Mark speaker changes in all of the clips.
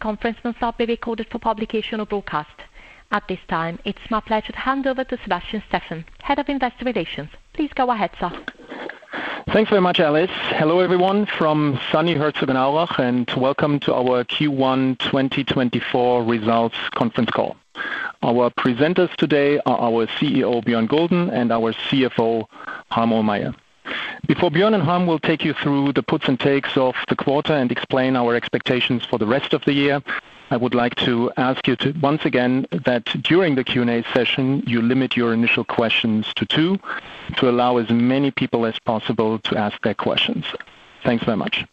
Speaker 1: The conference will now be recorded for publication or broadcast. At this time, it's my pleasure to hand over to Sebastian Steffen, Head of Investor Relations. Please go ahead, sir.
Speaker 2: Thanks very much, Alice. Hello, everyone, from sunny Herzogenaurach, and welcome to our Q1 2024 results conference call. Our presenters today are our CEO, Bjørn Gulden, and our CFO, Harm Ohlmeyer. Before Bjørn and Harm will take you through the puts and takes of the quarter and explain our expectations for the rest of the year, I would like to ask you to, once again, that during the Q&A session, you limit your initial questions to two, to allow as many people as possible to ask their questions. Thanks very much.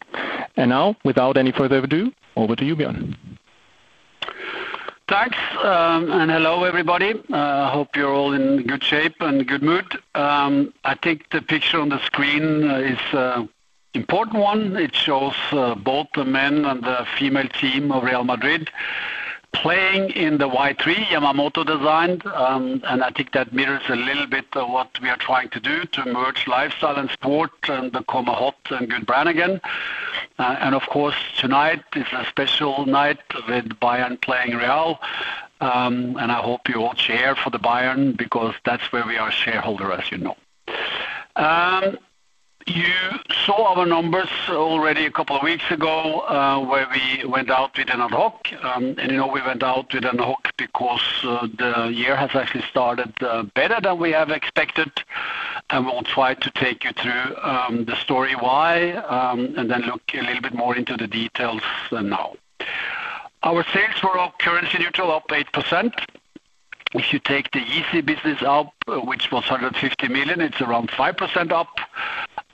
Speaker 2: And now, without any further ado, over to you, Bjørn.
Speaker 3: Thanks, and hello, everybody. Hope you're all in good shape and good mood. I think the picture on the screen is important one. It shows both the men and the female team of Real Madrid playing in the Y-3 Yamamoto design, and I think that mirrors a little bit of what we are trying to do to merge lifestyle and sport and become hot and good brand again. And, of course, tonight is a special night with Bayern playing Real, and I hope you all cheer for the Bayern because that's where we are a shareholder, as you know. You saw our numbers already a couple of weeks ago, where we went out with an ad hoc. And, you know, we went out with an ad hoc because the year has actually started better than we have expected, and we'll try to take you through the story why and then look a little bit more into the details now. Our sales were all currency neutral, up 8%. If you take the YEEZY business out, which was 150 million, it's around 5% up,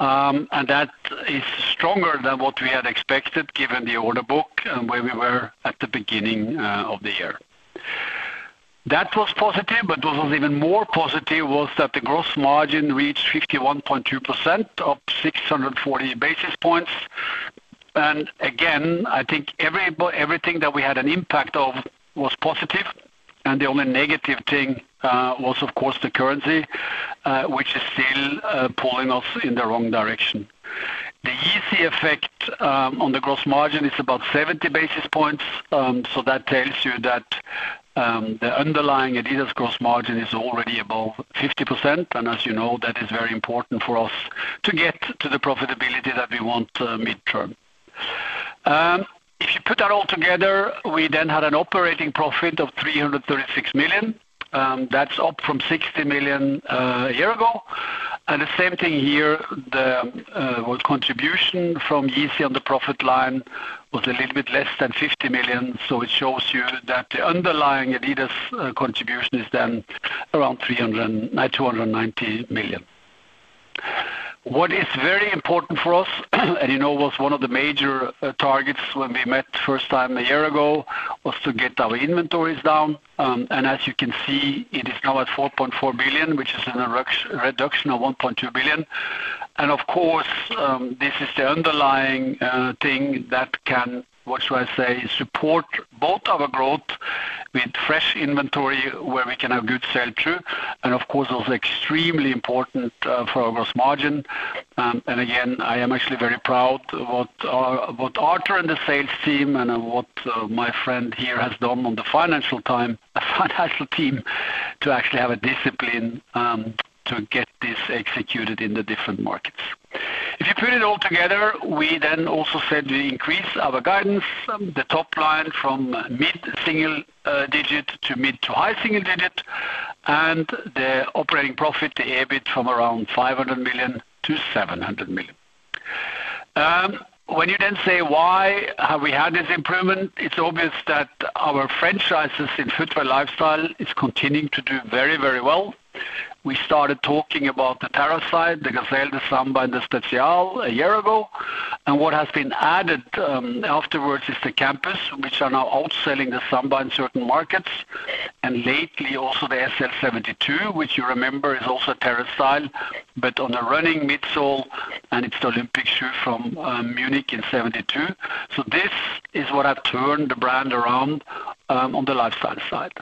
Speaker 3: and that is stronger than what we had expected, given the order book and where we were at the beginning of the year. That was positive, but what was even more positive was that the gross margin reached 51.2%, up 640 basis points. And again, I think everything that we had an impact of was positive, and the only negative thing was, of course, the currency, which is still pulling us in the wrong direction. The Yeezy effect on the gross margin is about 70 basis points, so that tells you that the underlying adidas gross margin is already above 50%. And as you know, that is very important for us to get to the profitability that we want midterm. If you put that all together, we then had an operating profit of 336 million. That's up from 60 million a year ago. And the same thing here, the contribution from Yeezy on the profit line was a little bit less than 50 million, so it shows you that the underlying adidas contribution is then around 290 million. What is very important for us, and you know, was one of the major targets when we met first time a year ago, was to get our inventories down. And as you can see, it is now at 4.4 billion, which is a reduction of 1.2 billion. And of course, this is the underlying thing that can, what should I say, support both our growth with fresh inventory, where we can have good sell-through, and of course, also extremely important for our gross margin. And again, I am actually very proud what, what Arthur and the sales team and what, my friend here has done on the financial time-- financial team, to actually have a discipline, to get this executed in the different markets. If you put it all together, we then also said we increase our guidance, the top line from mid-single digit to mid-to-high single digit, and the operating profit, the EBIT, from around 500 million to 700 million. When you then say, "Why have we had this improvement?" It's obvious that our franchises in footwear lifestyle is continuing to do very, very well. We started talking about the Terrace, the Gazelle, the Samba, and the Spezial a year ago. What has been added afterwards is the Campus, which are now outselling the Samba in certain markets, and lately, also the SL 72, which you remember is also a Terrace, but on a running midsole, and it's the Olympic shoe from Munich in 1972. This is what have turned the brand around on the lifestyle side.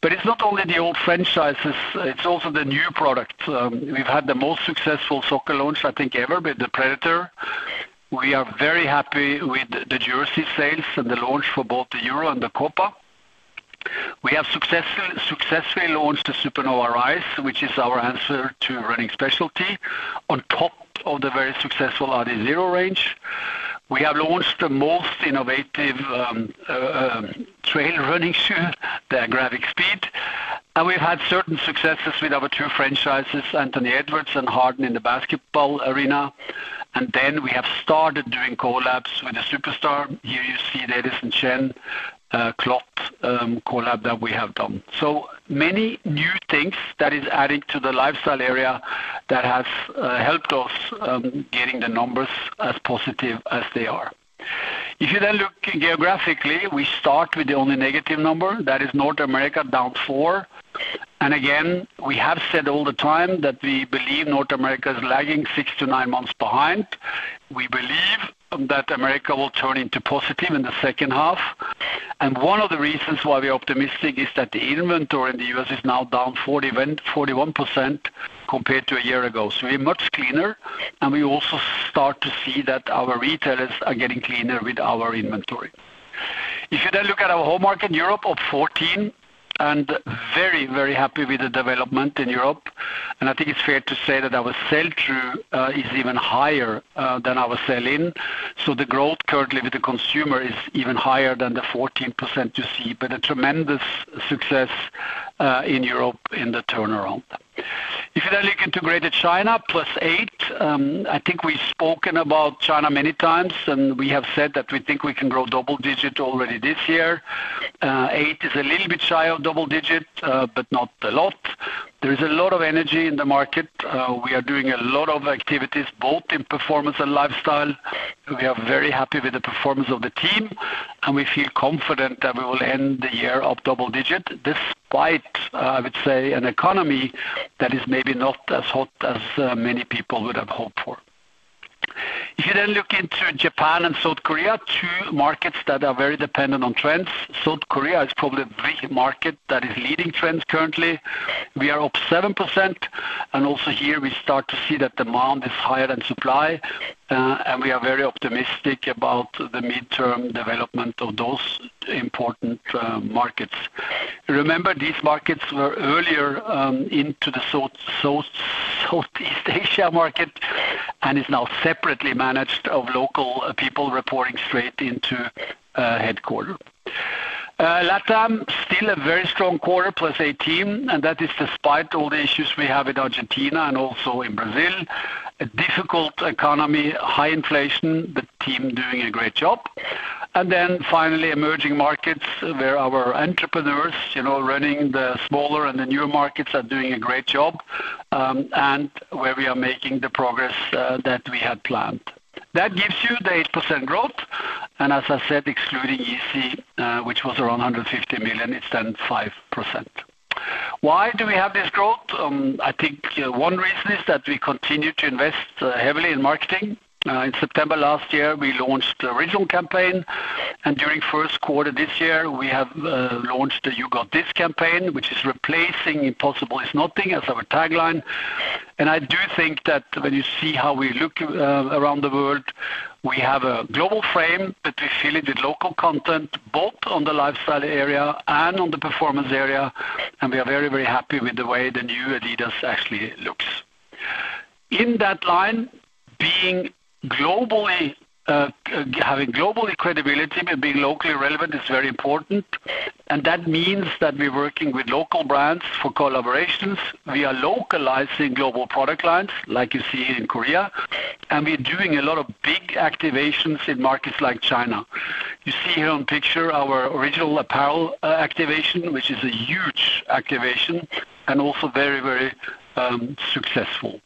Speaker 3: But it's not only the old franchises, it's also the new products. We've had the most successful soccer launch, I think, ever, with the Predator. We are very happy with the jersey sales and the launch for both the Euro and the Copa. We have successfully launched the Supernova Rise, which is our answer to running specialty, on top of the very successful Adizero range. We have launched the most innovative trail running shoe, the Agravic Speed. We've had certain successes with our two franchises, Anthony Edwards and Harden, in the basketball arena. Then we have started doing collabs with the Superstar. Here you see the Edison Chen, CLOT, collab that we have done. So many new things that is adding to the lifestyle area that has helped us getting the numbers as positive as they are. If you then look geographically, we start with the only negative number, that is North America, down 4. And again, we have said all the time that we believe North America is lagging 6 to 9 months behind. We believe that America will turn into positive in the second half. And one of the reasons why we are optimistic is that the inventory in the U.S. is now down 41, 41% compared to a year ago. So we're much cleaner, and we also start to see that our retailers are getting cleaner with our inventory. If you then look at our home market in Europe, up 14%, and very, very happy with the development in Europe, and I think it's fair to say that our sell-through is even higher than our sell-in. So the growth currently with the consumer is even higher than the 14% you see, but a tremendous success in Europe in the turnaround. If you then look into Greater China, +8%. I think we've spoken about China many times, and we have said that we think we can grow double-digit already this year. 8 is a little bit shy of double-digit, but not a lot. There is a lot of energy in the market. We are doing a lot of activities, both in performance and lifestyle. We are very happy with the performance of the team, and we feel confident that we will end the year up double-digit, despite, I would say, an economy that is maybe not as hot as many people would have hoped for. If you then look into Japan and South Korea, two markets that are very dependent on trends. South Korea is probably the market that is leading trends currently. We are up 7%, and also here we start to see that demand is higher than supply, and we are very optimistic about the mid-term development of those important markets. Remember, these markets were earlier into the South, Southeast Asia market and is now separately managed of local people reporting straight into headquarters. LatAm, still a very strong quarter, +18%, and that is despite all the issues we have in Argentina and also in Brazil, a difficult economy, high inflation, the team doing a great job. Then finally, emerging markets, where our entrepreneurs, you know, running the smaller and the newer markets, are doing a great job, and where we are making the progress that we had planned. That gives you the 8% growth, and as I said, excluding Yeezy, which was around 150 million, it's then 5%. Why do we have this growth? I think one reason is that we continue to invest heavily in marketing. In September last year, we launched the original campaign, and during first quarter this year, we have launched the You Got This campaign, which is replacing Impossible Is Nothing as our tagline. And I do think that when you see how we look around the world, we have a global frame, but we fill it with local content, both on the lifestyle area and on the performance area, and we are very, very happy with the way the new adidas actually looks. In that line, being globally, having global credibility but being locally relevant is very important, and that means that we're working with local brands for collaborations. We are localizing global product lines, like you see in Korea, and we're doing a lot of big activations in markets like China. You see here on picture our Originals apparel activation, which is a huge activation and also very, very successful.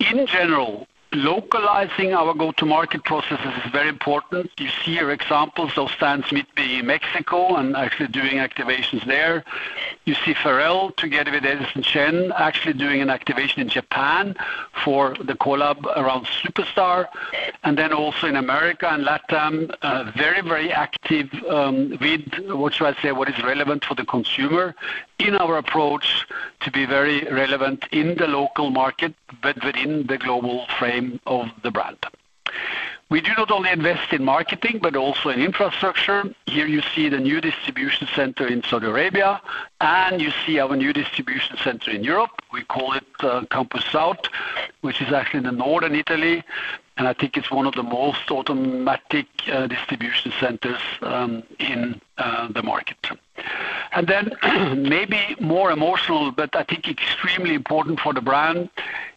Speaker 3: In general, localizing our go-to-market processes is very important. You see here examples of Stan Smith being in Mexico, and actually doing activations there. You see Pharrell together with Edison Chen actually doing an activation in Japan for the collab around Superstar, and then also in America and LatAm, a very, very active approach, what is relevant for the consumer to be very relevant in the local market, but within the global frame of the brand. We do not only invest in marketing, but also in infrastructure. Here you see the new distribution center in Saudi Arabia, and you see our new distribution center in Europe. We call it, Campus South, which is actually in northern Italy, and I think it's one of the most automatic distribution centers in the market. And then maybe more emotional, but I think extremely important for the brand,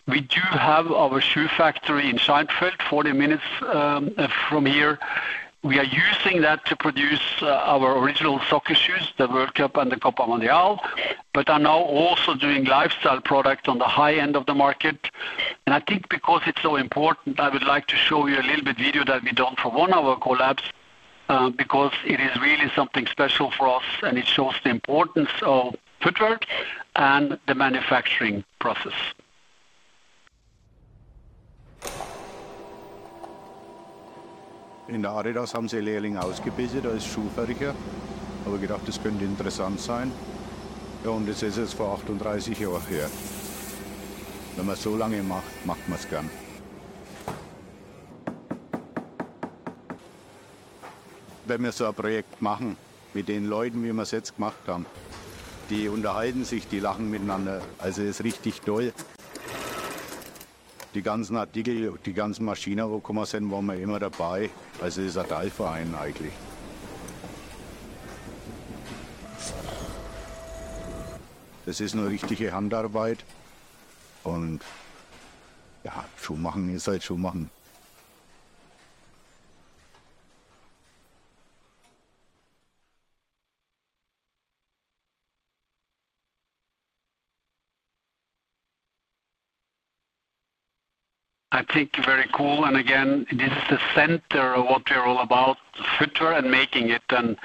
Speaker 3: we do have our shoe factory in Scheinfeld, 40 minutes from here. We are using that to produce our original soccer shoes, the World Cup and the Copa Mundial, but are now also doing lifestyle products on the high end of the market. And I think because it's so important, I would like to show you a little bit video that we done for one of our collabs, because it is really something special for us, and it shows the importance of footwear and the manufacturing process.
Speaker 4: In the adidas.
Speaker 3: I think very cool, and again, this is the center of what we're all about, footwear and making it. And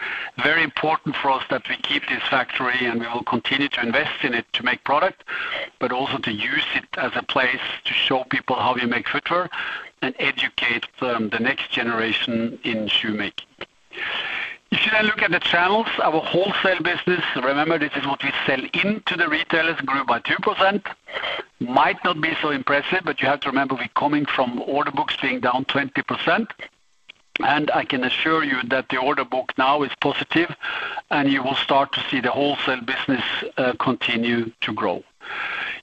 Speaker 3: very important for us that we keep this factory, and we will continue to invest in it to make product, but also to use it as a place to show people how we make footwear and educate the next generation in shoemaking. If you then look at the channels, our wholesale business, remember, this is what we sell into the retailers, grew by 2%. Might not be so impressive, but you have to remember, we're coming from order books being down 20%, and I can assure you that the order book now is positive, and you will start to see the wholesale business continue to grow.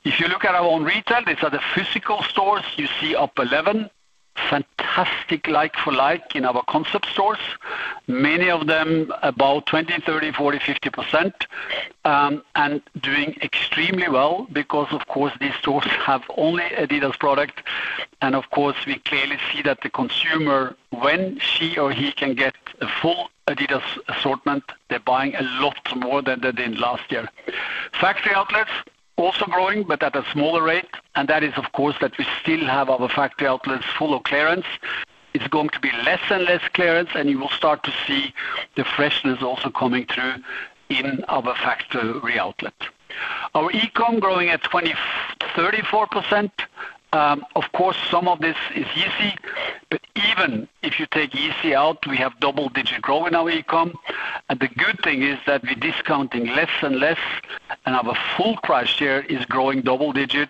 Speaker 3: If you look at our own retail, these are the physical stores, you see up 11%. Fantastic like-for-like in our concept stores, many of them about 20, 30, 40, 50%, and doing extremely well because, of course, these stores have only adidas product. Of course, we clearly see that the consumer, when she or he can get a full adidas assortment, they're buying a lot more than they did last year. Factory outlets, also growing, but at a smaller rate, and that is, of course, that we still have our factory outlets full of clearance. It's going to be less and less clearance, and you will start to see the freshness also coming through in our factory outlet. Our e-com growing at 34%. Of course, some of this is Yeezy, but even if you take Yeezy out, we have double-digit growth in our e-com. The good thing is that we're discounting less and less, and our full price share is growing double-digit,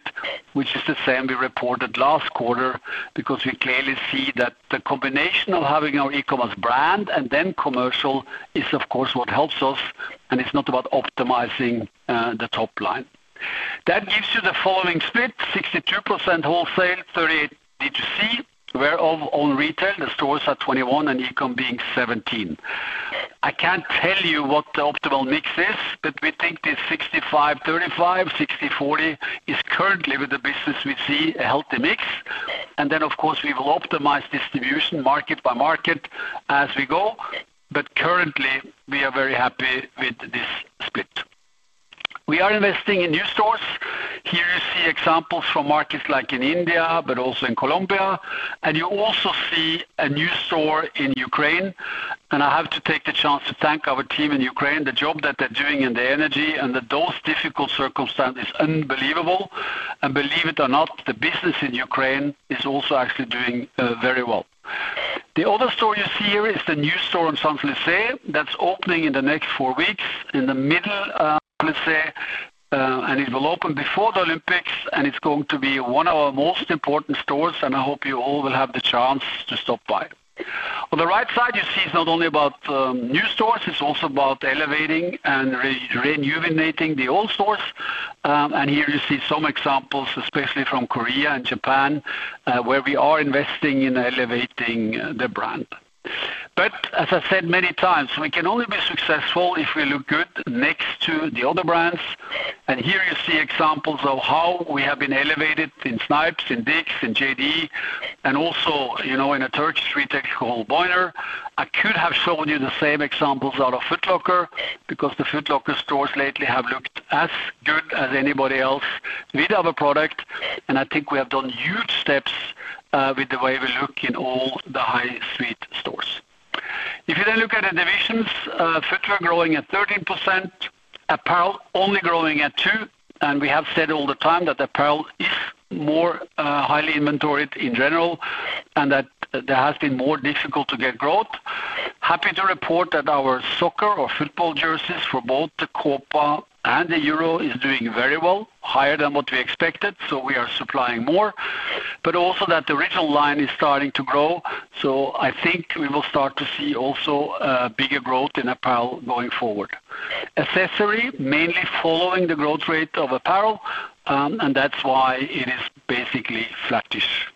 Speaker 3: which is the same we reported last quarter. Because we clearly see that the combination of having our e-commerce brand and then commercial is, of course, what helps us, and it's not about optimizing, the top line. That gives you the following split, 62% wholesale, 38% DTC, whereof own retail, the stores are 21 and e-com being 17. I can't tell you what the optimal mix is, but we think this 65/35, 60/40, is currently with the business we see a healthy mix. And then, of course, we will optimize distribution market by market as we go, but currently, we are very happy with this split. We are investing in new stores. Here you see examples from markets like in India, but also in Colombia, and you also see a new store in Ukraine. I have to take the chance to thank our team in Ukraine, the job that they're doing and their energy, and under those difficult circumstances, unbelievable. Believe it or not, the business in Ukraine is also actually doing very well. The other store you see here is the new store in Saint-Germain that's opening in the next four weeks, in the middle of Saint-Germain, and it will open before the Olympics, and it's going to be one of our most important stores, and I hope you all will have the chance to stop by. On the right side, you see it's not only about new stores, it's also about elevating and rejuvenating the old stores. And here you see some examples, especially from Korea and Japan, where we are investing in elevating the brand. But as I said many times, we can only be successful if we look good next to the other brands. And here you see examples of how we have been elevated in Snipes, in Dick's, in JD, and also, you know, in a third-party retail, Bohner. I could have shown you the same examples out of Foot Locker, because the Foot Locker stores lately have looked as good as anybody else with our product, and I think we have done huge steps, with the way we look in all the high street stores. If you then look at the divisions, footwear growing at 13%, apparel only growing at 2%, and we have said all the time that apparel is more, highly inventoried in general, and that there has been more difficult to get growth. Happy to report that our soccer or football jerseys for both the Copa and the Euro is doing very well, higher than what we expected, so we are supplying more, but also that the Originals line is starting to grow. So I think we will start to see also, bigger growth in apparel going forward. Accessory, mainly following the growth rate of apparel, and that's why it is basically flattish.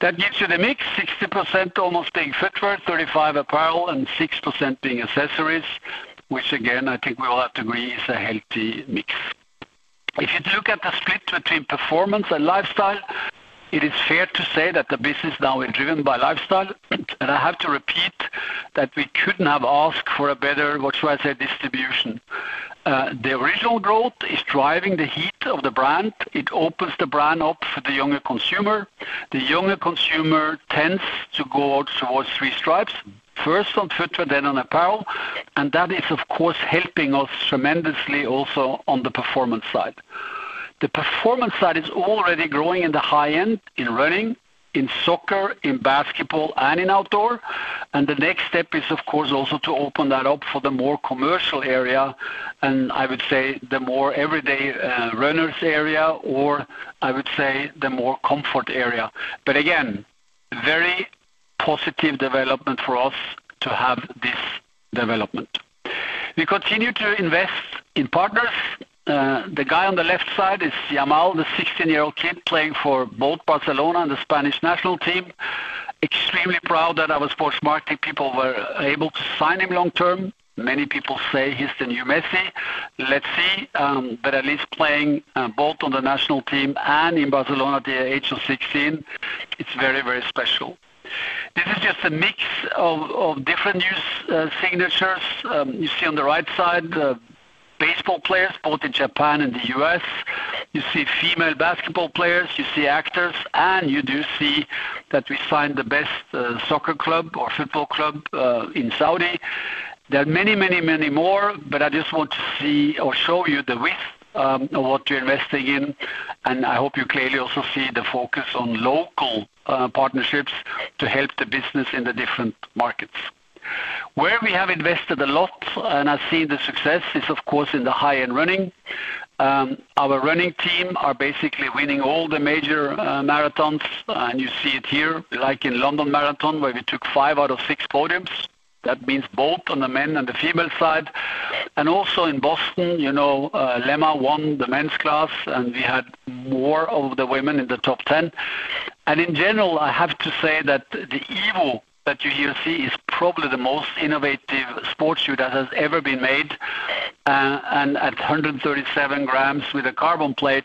Speaker 3: That gives you the mix, 60% almost being footwear, 35 apparel, and 6% being accessories, which again, I think we all have to agree, is a healthy mix. If you look at the split between performance and lifestyle, it is fair to say that the business now is driven by lifestyle, and I have to repeat that we couldn't have asked for a better, what should I say, distribution. The Originals growth is driving the heat of the brand. It opens the brand up for the younger consumer. The younger consumer tends to go towards 3-Stripes, first on footwear, then on apparel, and that is, of course, helping us tremendously also on the performance side. The performance side is already growing in the high end, in running, in soccer, in basketball, and in outdoor. And the next step is, of course, also to open that up for the more commercial area, and I would say the more everyday runners area, or I would say the more comfort area. But again, very positive development for us to have this development. We continue to invest in partners. The guy on the left side is Yamal, the 16-year-old kid playing for both Barcelona and the Spanish national team. Extremely proud that our sports marketing people were able to sign him long term. Many people say he's the new Messi. Let's see, but at least playing both on the national team and in Barcelona at the age of 16, it's very, very special. This is just a mix of different new signatures. You see on the right side, baseball players, both in Japan and the U.S. You see female basketball players, you see actors, and you do see that we signed the best soccer club or football club in Saudi. There are many, many, many more, but I just want to see or show you the width of what we're investing in, and I hope you clearly also see the focus on local partnerships to help the business in the different markets. Where we have invested a lot and are seeing the success is, of course, in the high-end running. Our running team are basically winning all the major marathons, and you see it here, like in London Marathon, where we took 5 out of 6 podiums. That means both on the men and the female side. And also in Boston, you know, Lemma won the men's class, and we had more of the women in the top 10. In general, I have to say that the Evo that you here see is probably the most innovative sports shoe that has ever been made, and at 137 grams with a carbon plate,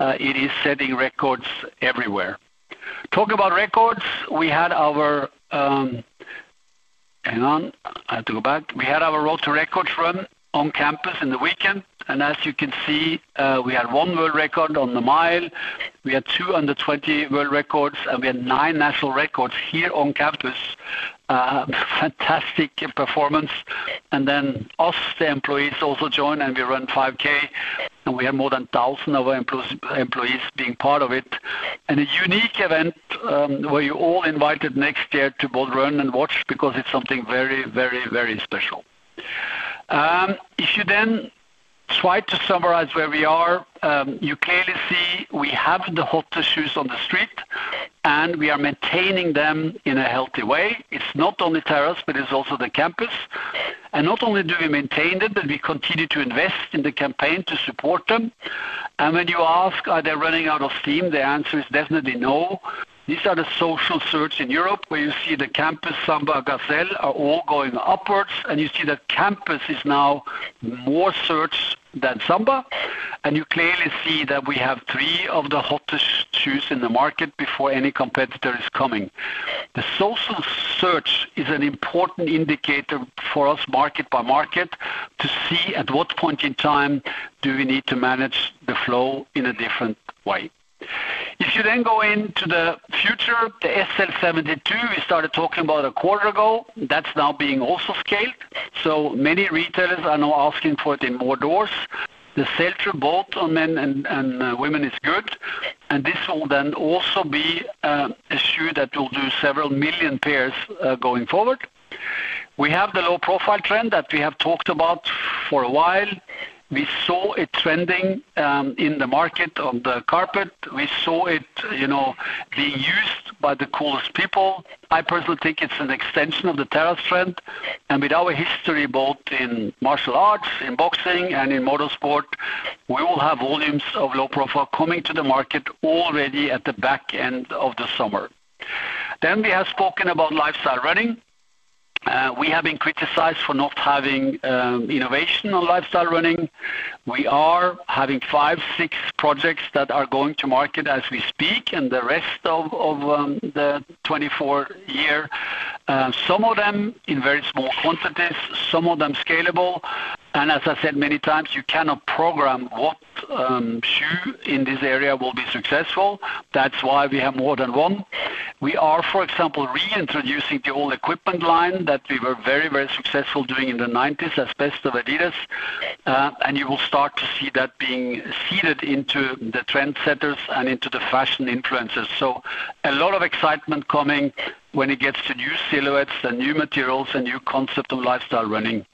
Speaker 3: it is setting records everywhere. Talking about records, we had our—Hang on, I have to go back. We had our Road to Records run on Campus in the weekend, and as you can see, we had one world record on the mile, we had two under twenty world records, and we had nine national records here on Campus. Fantastic performance. And then us, the employees, also joined, and we ran 5K, and we had more than 1,000 of our employees being part of it. A unique event, where you're all invited next year to both run and watch because it's something very, very, very special. If you then try to summarize where we are, you clearly see we have the hottest shoes on the street, and we are maintaining them in a healthy way. It's not only Terrace, but it's also the Campus. And not only do we maintain them, but we continue to invest in the campaign to support them. And when you ask, are they running out of steam? The answer is definitely no. These are the social search in Europe, where you see the Campus, Samba, Gazelle are all going upwards, and you see the Campus is now more searched than Samba, and you clearly see that we have three of the hottest shoes in the market before any competitor is coming. The social search is an important indicator for us, market by market, to see at what point in time do we need to manage the flow in a different way. If you then go into the future, the SL 72, we started talking about a quarter ago, that's now being also scaled, so many retailers are now asking for it in more doors. The sell-through both on men and, and women is good, and this will then also be, a shoe that will do several million pairs, going forward. We have the low-profile trend that we have talked about for a while. We saw it trending, in the market on the carpet. We saw it, you know, being used by the coolest people. I personally think it's an extension of the Terrace trend, and with our history, both in martial arts, in boxing, and in motorsport, we will have volumes of low profile coming to the market already at the back end of the summer. Then, we have spoken about lifestyle running. We have been criticized for not having innovation on lifestyle running. We are having five, six projects that are going to market as we speak and the rest of the 2024 year. Some of them in very small quantities, some of them scalable, and as I said many times, you cannot program what shoe in this area will be successful. That's why we have more than one. We are, for example, reintroducing the old Equipment line that we were very, very successful doing in the nineties as best of adidas, and you will start to see that being seeded into the trendsetters and into the fashion influencers. So a lot of excitement coming when it gets to new silhouettes and new materials and new concept of lifestyle running.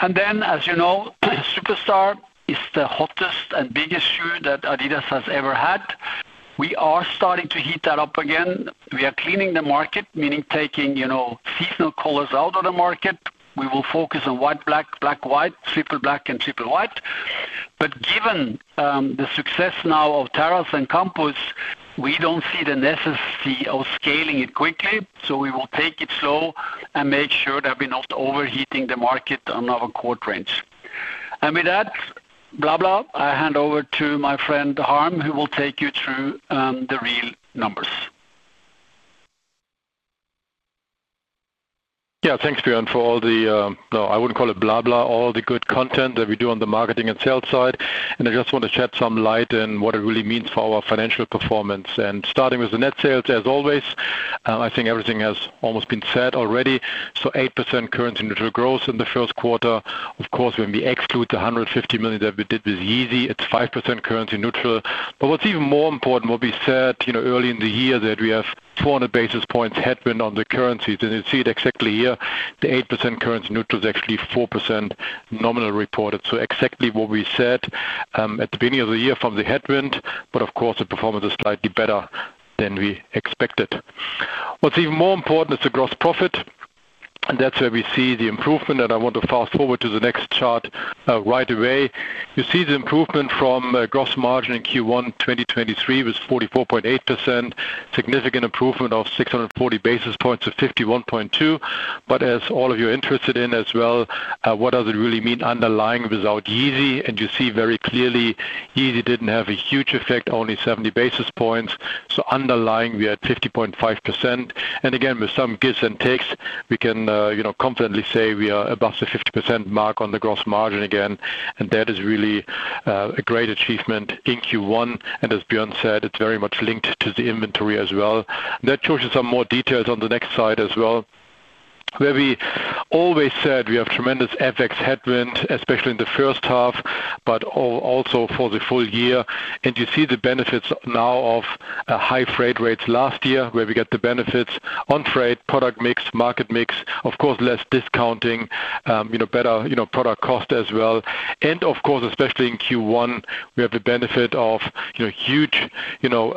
Speaker 3: And then, as you know, Superstar is the hottest and biggest shoe that adidas has ever had. We are starting to heat that up again. We are cleaning the market, meaning taking, you know, seasonal colors out of the market. We will focus on white, black, black, white, triple black, and triple white. But given the success now of Terrace and Campus, we don't see the necessity of scaling it quickly, so we will take it slow and make sure that we're not overheating the market on our core brands. And with that, blah, blah, I hand over to my friend, Harm, who will take you through the real numbers.
Speaker 5: Yeah, thanks, Bjørn, for all the, No, I wouldn't call it blah, blah, all the good content that we do on the marketing and sales side. I just want to shed some light on what it really means for our financial performance. Starting with the net sales, as always, I think everything has almost been said already. Eight percent currency neutral growth in the first quarter. Of course, when we exclude the 150 million that we did with Yeezy, it's 5% currency neutral. But what's even more important, what we said, you know, early in the year, that we have 400 basis points headwind on the currencies, and you see it exactly here. The 8% currency neutral is actually 4% nominal reported. So exactly what we said at the beginning of the year from the headwind, but of course, the performance is slightly better than we expected. What's even more important is the gross profit, and that's where we see the improvement, and I want to fast forward to the next chart right away. You see the improvement from gross margin in Q1 2023 was 44.8%. Significant improvement of 640 basis points to 51.2. But as all of you are interested in as well, what does it really mean underlying without Yeezy? And you see very clearly, Yeezy didn't have a huge effect, only 70 basis points. So underlying, we are at 50.5%. Again, with some gives and takes, we can, you know, confidently say we are above the 50% mark on the gross margin again, and that is really, a great achievement in Q1. As Bjørn said, it's very much linked to the inventory as well. That shows you some more details on the next slide as well, where we always said we have tremendous FX headwind, especially in the first half… but also for the full year. You see the benefits now of, high freight rates last year, where we get the benefits on freight, product mix, market mix, of course, less discounting, you know, better, you know, product cost as well. Of course, especially in Q1, we have the benefit of, you know, huge, you know,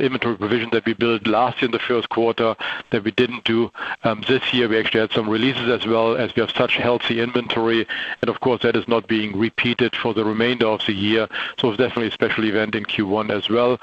Speaker 5: inventory provision that we built last year in the first quarter that we didn't do this year. We actually had some releases as well, as we have such healthy inventory, and of course, that is not being repeated for the remainder of the year. So it's definitely a special event in Q1 as well.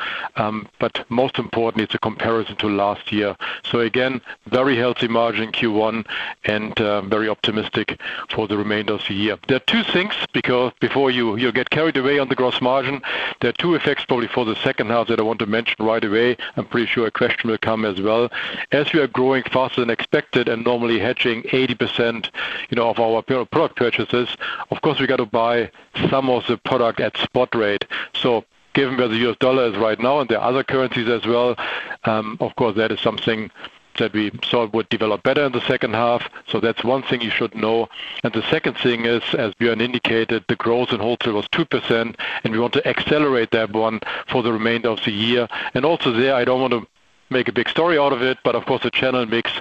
Speaker 5: But most importantly, it's a comparison to last year. So again, very healthy margin in Q1 and very optimistic for the remainder of the year. There are two things, because before you get carried away on the gross margin, there are two effects probably for the second half that I want to mention right away. I'm pretty sure a question will come as well. As we are growing faster than expected and normally hedging 80%, you know, of our product purchases, of course, we got to buy some of the product at spot rate. So given where the U.S. dollar is right now and the other currencies as well, of course, that is something that we saw would develop better in the second half. So that's one thing you should know. And the second thing is, as Bjørn indicated, the growth in wholesale was 2%, and we want to accelerate that one for the remainder of the year. And also there, I don't want to make a big story out of it, but of course, the channel mix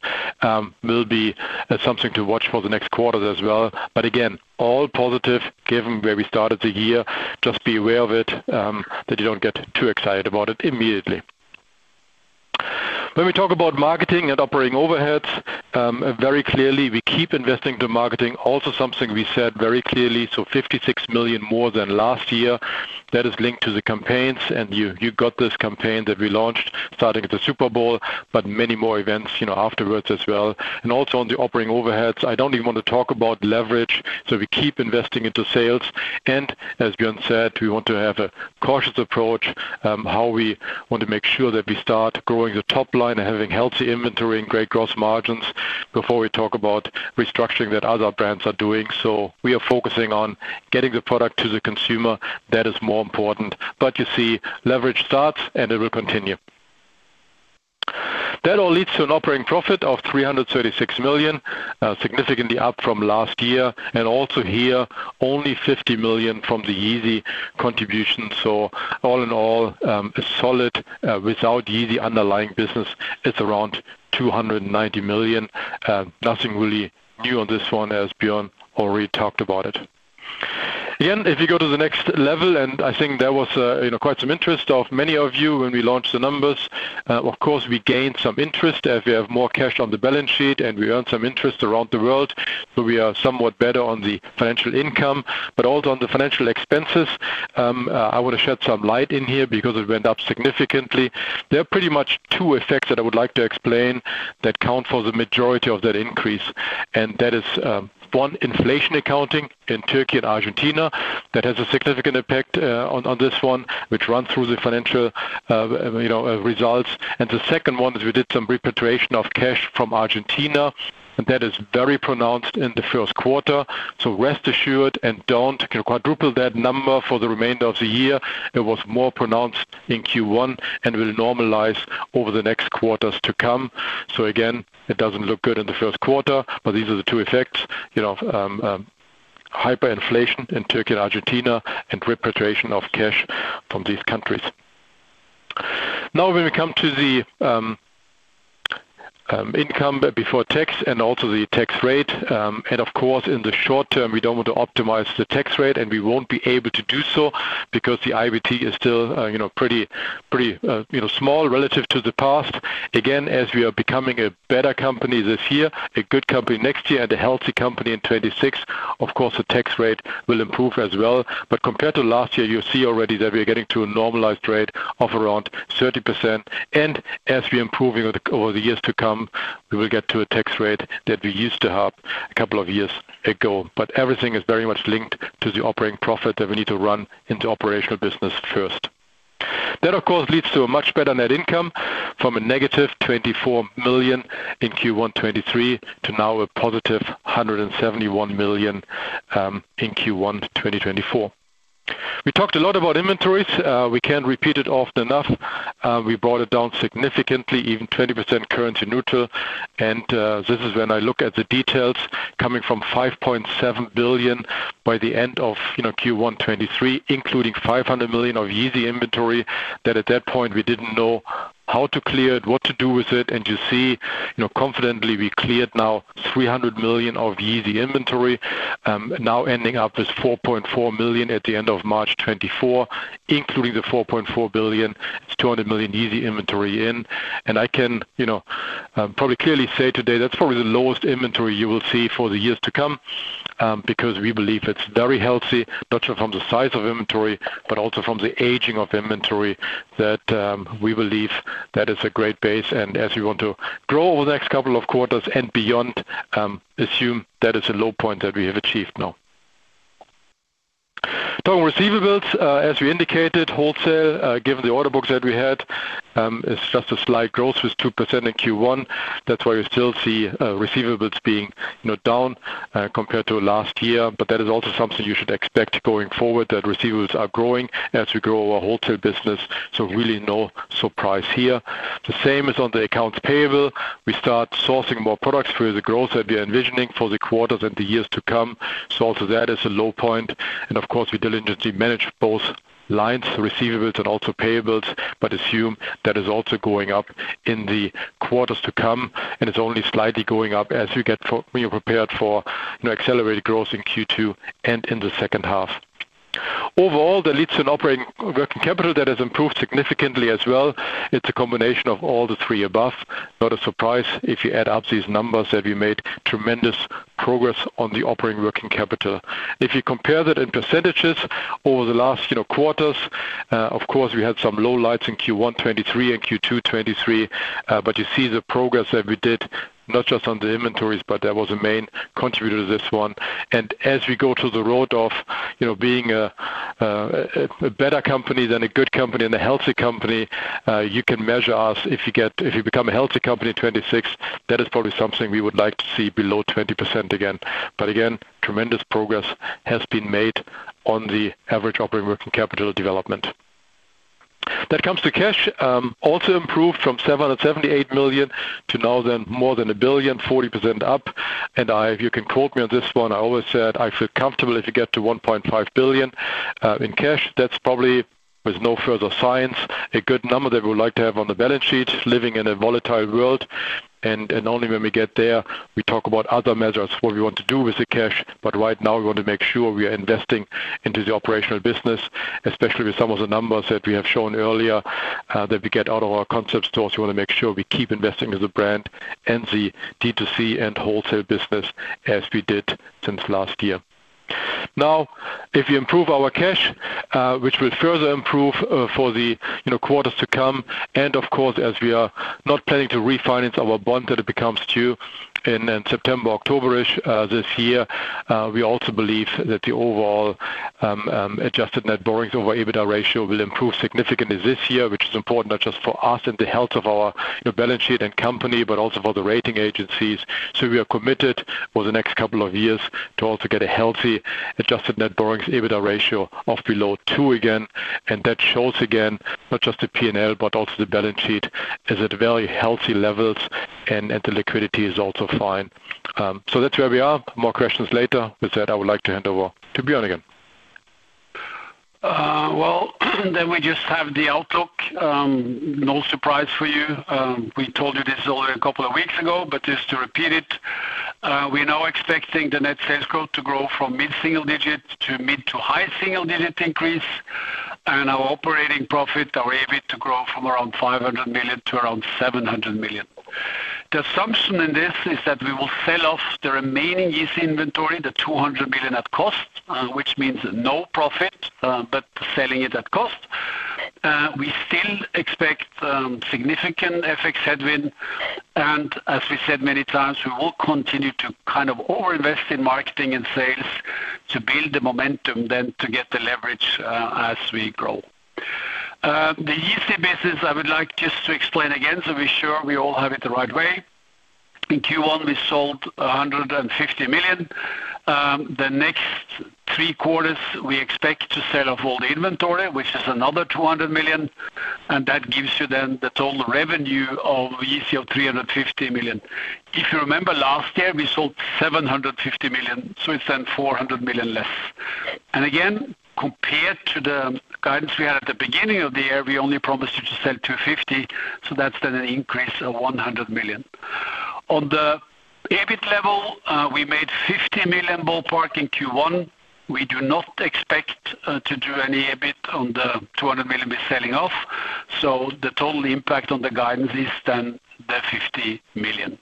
Speaker 5: will be something to watch for the next quarters as well. But again, all positive, given where we started the year. Just be aware of it, that you don't get too excited about it immediately. When we talk about marketing and operating overheads, very clearly, we keep investing to marketing. Also something we said very clearly, so 56 million more than last year. That is linked to the campaigns, and you, you got this campaign that we launched starting at the Super Bowl, but many more events, you know, afterwards as well. And also on the operating overheads, I don't even want to talk about leverage, so we keep investing into sales. And as Bjørn said, we want to have a cautious approach, how we want to make sure that we start growing the top line and having healthy inventory and great gross margins before we talk about restructuring that other brands are doing. So we are focusing on getting the product to the consumer. That is more important. But you see, leverage starts and it will continue. That all leads to an operating profit of 336 million, significantly up from last year, and also here, only 50 million from the Yeezy contribution. So all in all, a solid, without Yeezy underlying business, it's around 290 million. Nothing really new on this one, as Bjørn already talked about it. Again, if you go to the next level, and I think there was, quite some interest of many of you when we launched the numbers. Of course, we gained some interest as we have more cash on the balance sheet, and we earned some interest around the world, so we are somewhat better on the financial income. But also on the financial expenses, I want to shed some light in here because it went up significantly. There are pretty much two effects that I would like to explain that count for the majority of that increase, and that is, one, inflation accounting in Turkey and Argentina. That has a significant impact on this one, which runs through the financial, you know, results. And the second one is we did some repatriation of cash from Argentina, and that is very pronounced in the first quarter. So rest assured, and don't quadruple that number for the remainder of the year. It was more pronounced in Q1 and will normalize over the next quarters to come. So again, it doesn't look good in the first quarter, but these are the two effects, you know, hyperinflation in Turkey and Argentina, and repatriation of cash from these countries. Now, when we come to the income before tax and also the tax rate, and of course, in the short term, we don't want to optimize the tax rate, and we won't be able to do so because the IBT is still, you know, pretty, pretty, you know, small relative to the past. Again, as we are becoming a better company this year, a good company next year, and a healthy company in 2026, of course, the tax rate will improve as well. But compared to last year, you see already that we are getting to a normalized rate of around 30%, and as we improve over the years to come, we will get to a tax rate that we used to have a couple of years ago. But everything is very much linked to the operating profit that we need to run into operational business first. That, of course, leads to a much better net income from a -24 million in Q1 2023 to now a +171 million in Q1 2024. We talked a lot about inventories. We can't repeat it often enough. We brought it down significantly, even 20% currency neutral. This is when I look at the details coming from 5.7 billion by the end of, you know, Q1 2023, including 500 million of YEEZY inventory, that at that point, we didn't know how to clear it, what to do with it, and you see, you know, confidently, we cleared now 300 million of YEEZY inventory. Now ending up as 4.4 billion at the end of March 2024, including the 4.4 billion, it's 200 million YEEZY inventory in. And I can, you know, probably clearly say today, that's probably the lowest inventory you will see for the years to come, because we believe it's very healthy, not just from the size of inventory, but also from the aging of inventory, that we believe that is a great base. As we want to grow over the next couple of quarters and beyond, assume that it's a low point that we have achieved now. Talking receivables, as we indicated, wholesale, given the order books that we had, it's just a slight growth with 2% in Q1. That's why you still see receivables being, you know, down compared to last year, but that is also something you should expect going forward, that receivables are growing as we grow our wholesale business. So really no surprise here. The same is on the accounts payable. We start sourcing more products for the growth that we are envisioning for the quarters and the years to come. So also that is a low point. Of course, we diligently manage both lines, receivables and also payables, but assume that is also going up in the quarters to come, and it's only slightly going up as you get for—we are prepared for accelerated growth in Q2 and in the second half. Overall, the leads in operating working capital, that has improved significantly as well. It's a combination of all the three above. Not a surprise if you add up these numbers, that we made tremendous progress on the operating working capital. If you compare that in percentages over the last, you know, quarters, of course, we had some low lights in Q1 2023 and Q2 2023. But you see the progress that we did, not just on the inventories, but that was a main contributor to this one. As we go to the road of, you know, being a better company than a good company and a healthy company, you can measure us. If you get if you become a healthy company in 2026, that is probably something we would like to see below 20% again. But again, tremendous progress has been made on the average operating working capital development. When it comes to cash, also improved from 778 million to now then more than 1 billion, 40% up, and I if you can quote me on this one, I always said, I feel comfortable if you get to 1.5 billion in cash. That's probably, with no further science, a good number that we would like to have on the balance sheet, living in a volatile world, and only when we get there, we talk about other measures, what we want to do with the cash, but right now, we want to make sure we are investing into the operational business, especially with some of the numbers that we have shown earlier, that we get out of our concept stores. We wanna make sure we keep investing in the brand and the D2C and wholesale business as we did since last year. Now, if you improve our cash, which will further improve, for the, you know, quarters to come, and of course, as we are not planning to refinance our bond, that it becomes due in September, October-ish, this year. We also believe that the overall adjusted net borrowings over EBITDA ratio will improve significantly this year, which is important not just for us and the health of our, you know, balance sheet and company, but also for the rating agencies. So we are committed over the next couple of years to also get a healthy adjusted net borrowings EBITDA ratio of below two again, and that shows again, not just the P&L, but also the balance sheet is at very healthy levels and the liquidity is also fine. So that's where we are. More questions later. With that, I would like to hand over to Bjørn again.
Speaker 3: Well, then we just have the outlook. No surprise for you. We told you this only a couple of weeks ago, but just to repeat it, we're now expecting the net sales growth to grow from mid-single digit to mid-to-high single digit increase, and our operating profit, our EBIT, to grow from around 500 million to around 700 million. The assumption in this is that we will sell off the remaining YEEZY inventory, the 200 million at cost, which means no profit, but selling it at cost. We still expect significant FX headwind, and as we said many times, we will continue to kind of overinvest in marketing and sales to build the momentum, then to get the leverage, as we grow. The YEEZY business, I would like just to explain again, to be sure we all have it the right way. In Q1, we sold 150 million. The next three quarters, we expect to sell off all the inventory, which is another 200 million, and that gives you then the total revenue of YEEZY of 350 million. If you remember last year, we sold 750 million, so it's then 400 million less. And again, compared to the guidance we had at the beginning of the year, we only promised you to sell 250 million, so that's then an increase of 100 million. On the EBIT level, we made 50 million ballpark in Q1. We do not expect to do any EBIT on the 200 million we're selling off, so the total impact on the guidance is then the 50 million.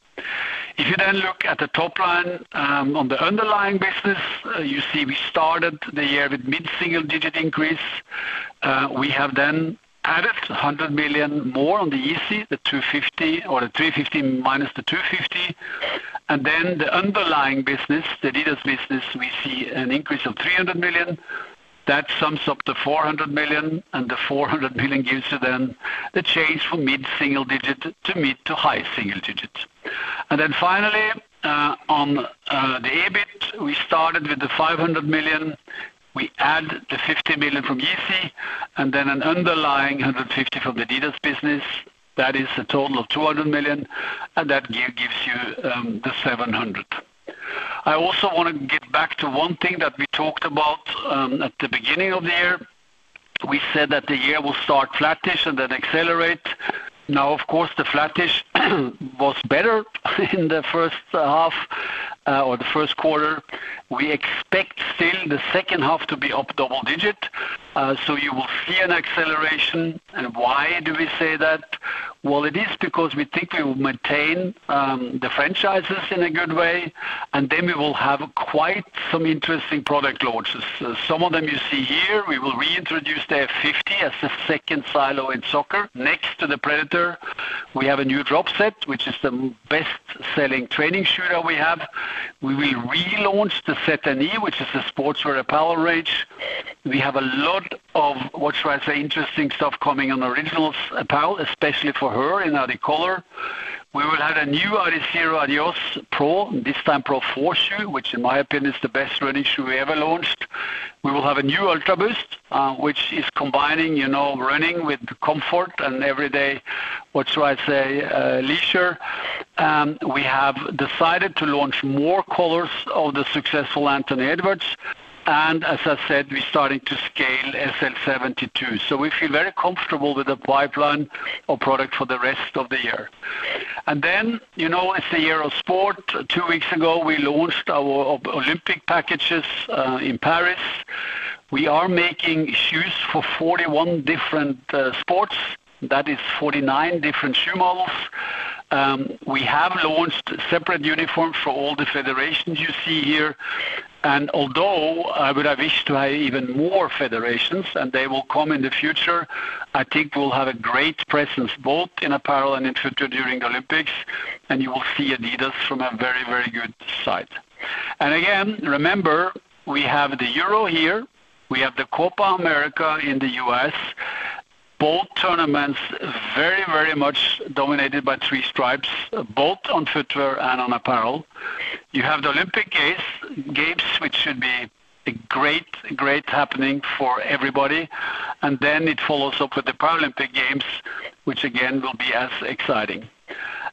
Speaker 3: If you then look at the top line, on the underlying business, you see we started the year with mid-single-digit increase. We have then added a 100 million more on the YEEZY, the 250 or the 350 minus the 250. And then the underlying business, the adidas business, we see an increase of 300 million. That sums up to 400 million, and the 400 million gives you then the change from mid-single digit to mid-to-high single digit. And then finally, on the EBIT, we started with the 500 million. We add the 50 million from YEEZY, and then an underlying 150 million from the adidas business. That is a total of 200 million, and that gives you the 700. I also want to get back to one thing that we talked about at the beginning of the year. We said that the year will start flattish and then accelerate. Now, of course, the flattish was better in the first half, or the first quarter. We expect still the second half to be up double-digit, so you will see an acceleration. And why do we say that? Well, it is because we think we will maintain the franchises in a good way, and then we will have quite some interesting product launches. Some of them you see here, we will reintroduce the F50 as the second silo in soccer next to the Predator. We have a new Dropset, which is the best-selling training shoe that we have. We will relaunch the Terrex, which is a Sportswear apparel range. We have a lot of, what should I say, interesting stuff coming on the Originals apparel, especially for her, in Adicolor. We will have a new Adizero Adios Pro, this time Pro 4 shoe, which in my opinion, is the best running shoe we ever launched. We will have a new Ultraboost, which is combining, you know, running with comfort and everyday, what should I say, leisure. We have decided to launch more colors of the successful Anthony Edwards, and as I said, we're starting to scale SL 72. So we feel very comfortable with the pipeline of product for the rest of the year. Then, you know, as the year of sport, two weeks ago, we launched our Olympic packages in Paris. We are making shoes for 41 different sports. That is 49 different shoe models. We have launched separate uniforms for all the federations you see here. And although I would have wished to have even more federations, and they will come in the future, I think we'll have a great presence, both in apparel and in footwear during the Olympics, and you will see adidas from a very, very good side. And again, remember, we have the Euro here, we have the Copa America in the U.S. Both tournaments very, very much dominated by 3-Stripes, both on footwear and on apparel. You have the Olympic Games, Games, which should be a great, great happening for everybody, and then it follows up with the Paralympic Games, which again, will be as exciting.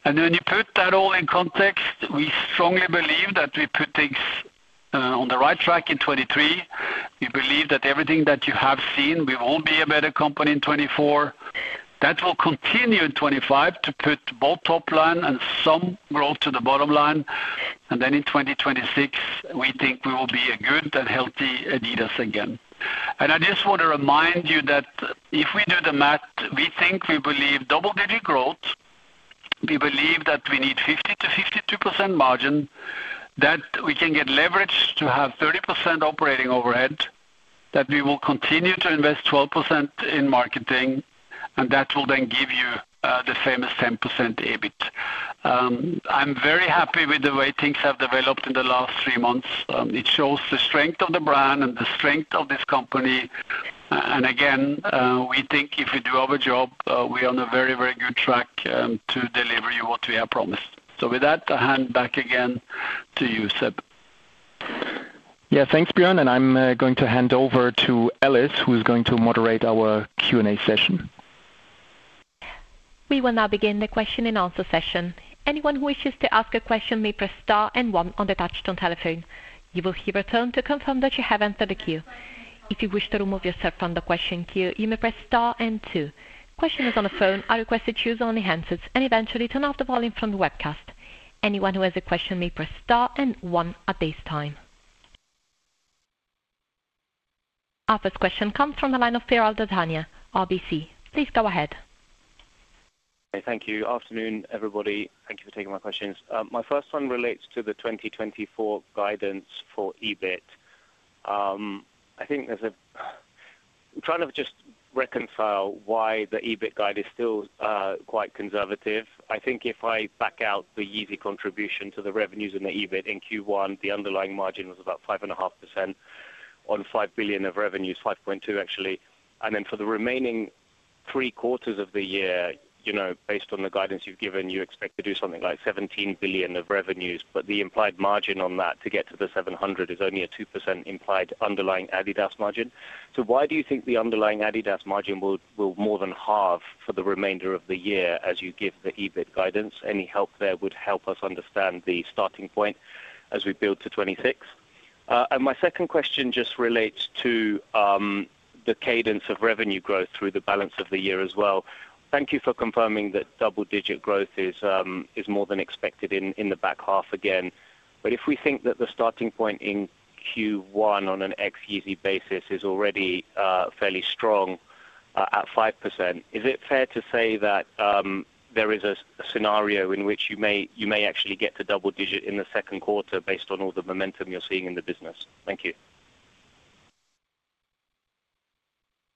Speaker 3: And when you put that all in context, we strongly believe that we put things on the right track in 2023. We believe that everything that you have seen, we will be a better company in 2024. That will continue in 2025 to put both top line and some growth to the bottom line. And then in 2026, we think we will be a good and healthy adidas again. And I just want to remind you that if we do the math, we think we believe double-digit growth. We believe that we need 50%-52% margin, that we can get leverage to have 30% operating overhead, that we will continue to invest 12% in marketing, and that will then give you the famous 10% EBIT. I'm very happy with the way things have developed in the last three months. It shows the strength of the brand and the strength of this company. And again, we think if we do our job, we are on a very, very good track to deliver you what we have promised. So with that, I hand back again to you, Seb.
Speaker 2: Yeah. Thanks, Bjørn, and I'm going to hand over to Alice, who is going to moderate our Q&A session.
Speaker 1: We will now begin the question and answer session. Anyone who wishes to ask a question may press star and one on the touchtone telephone. You will hear a tone to confirm that you have entered the queue. If you wish to remove yourself from the question queue, you may press star and two. Questioners on the phone, I request you to choose only answers and eventually turn off the volume from the webcast. Anyone who has a question may press star and one at this time. Our first question comes from the line of Piral Dadhania, RBC. Please go ahead.
Speaker 4: Thank you. Afternoon, everybody. Thank you for taking my questions. My first one relates to the 2024 guidance for EBIT. I think there's a—I'm trying to just reconcile why the EBIT guide is still quite conservative. I think if I back out the YEEZY contribution to the revenues and the EBIT in Q1, the underlying margin was about 5.5% on 5.2 billion of revenues, actually. And then for the remaining three quarters of the year, you know, based on the guidance you've given, you expect to do something like 17 billion of revenues, but the implied margin on that to get to the 700 million is only a 2% implied underlying adidas margin. So why do you think the underlying adidas margin will more than halve for the remainder of the year as you give the EBIT guidance? Any help there would help us understand the starting point as we build to 2026. And my second question just relates to the cadence of revenue growth through the balance of the year as well. Thank you for confirming that double-digit growth is more than expected in the back half again. But if we think that the starting point in Q1 on an ex-YEEZY basis is already fairly strong at 5%, is it fair to say that there is a scenario in which you may actually get to double digit in the second quarter based on all the momentum you're seeing in the business? Thank you.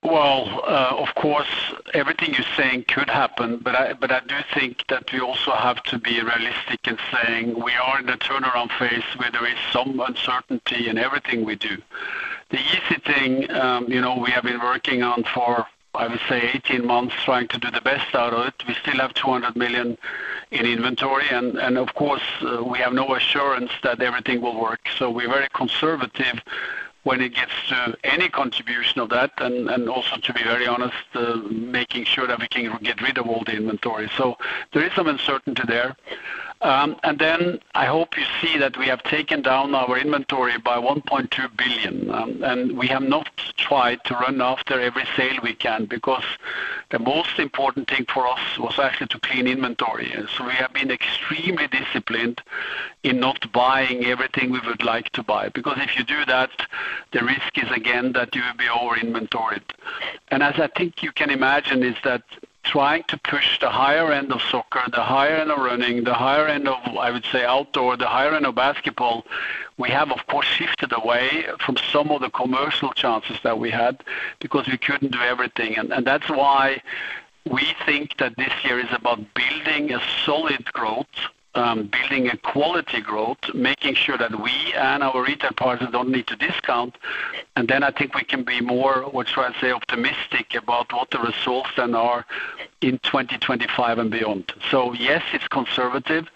Speaker 3: Well, of course, everything you're saying could happen, but I, but I do think that we also have to be realistic in saying we are in the turnaround phase where there is some uncertainty in everything we do. The easy thing, you know, we have been working on for, I would say, 18 months, trying to do the best out of it. We still have 200 million in inventory, and, and of course, we have no assurance that everything will work. So we're very conservative when it gets to any contribution of that, and, and also, to be very honest, making sure that we can get rid of all the inventory. So there is some uncertainty there. And then I hope you see that we have taken down our inventory by 1.2 billion, and we have not tried to run after every sale we can because the most important thing for us was actually to clean inventory. And so we have been extremely disciplined in not buying everything we would like to buy. Because if you do that, the risk is, again, that you will be over-inventoried. And as I think you can imagine, is that trying to push the higher end of soccer, the higher end of running, the higher end of, I would say, outdoor, the higher end of basketball, we have, of course, shifted away from some of the commercial chances that we had because we couldn't do everything. And that's why we think that this year is about building a solid growth, building a quality growth, making sure that we and our retail partners don't need to discount. And then I think we can be more, what should I say, optimistic about what the results then are in 2025 and beyond. So yes, it's conservative,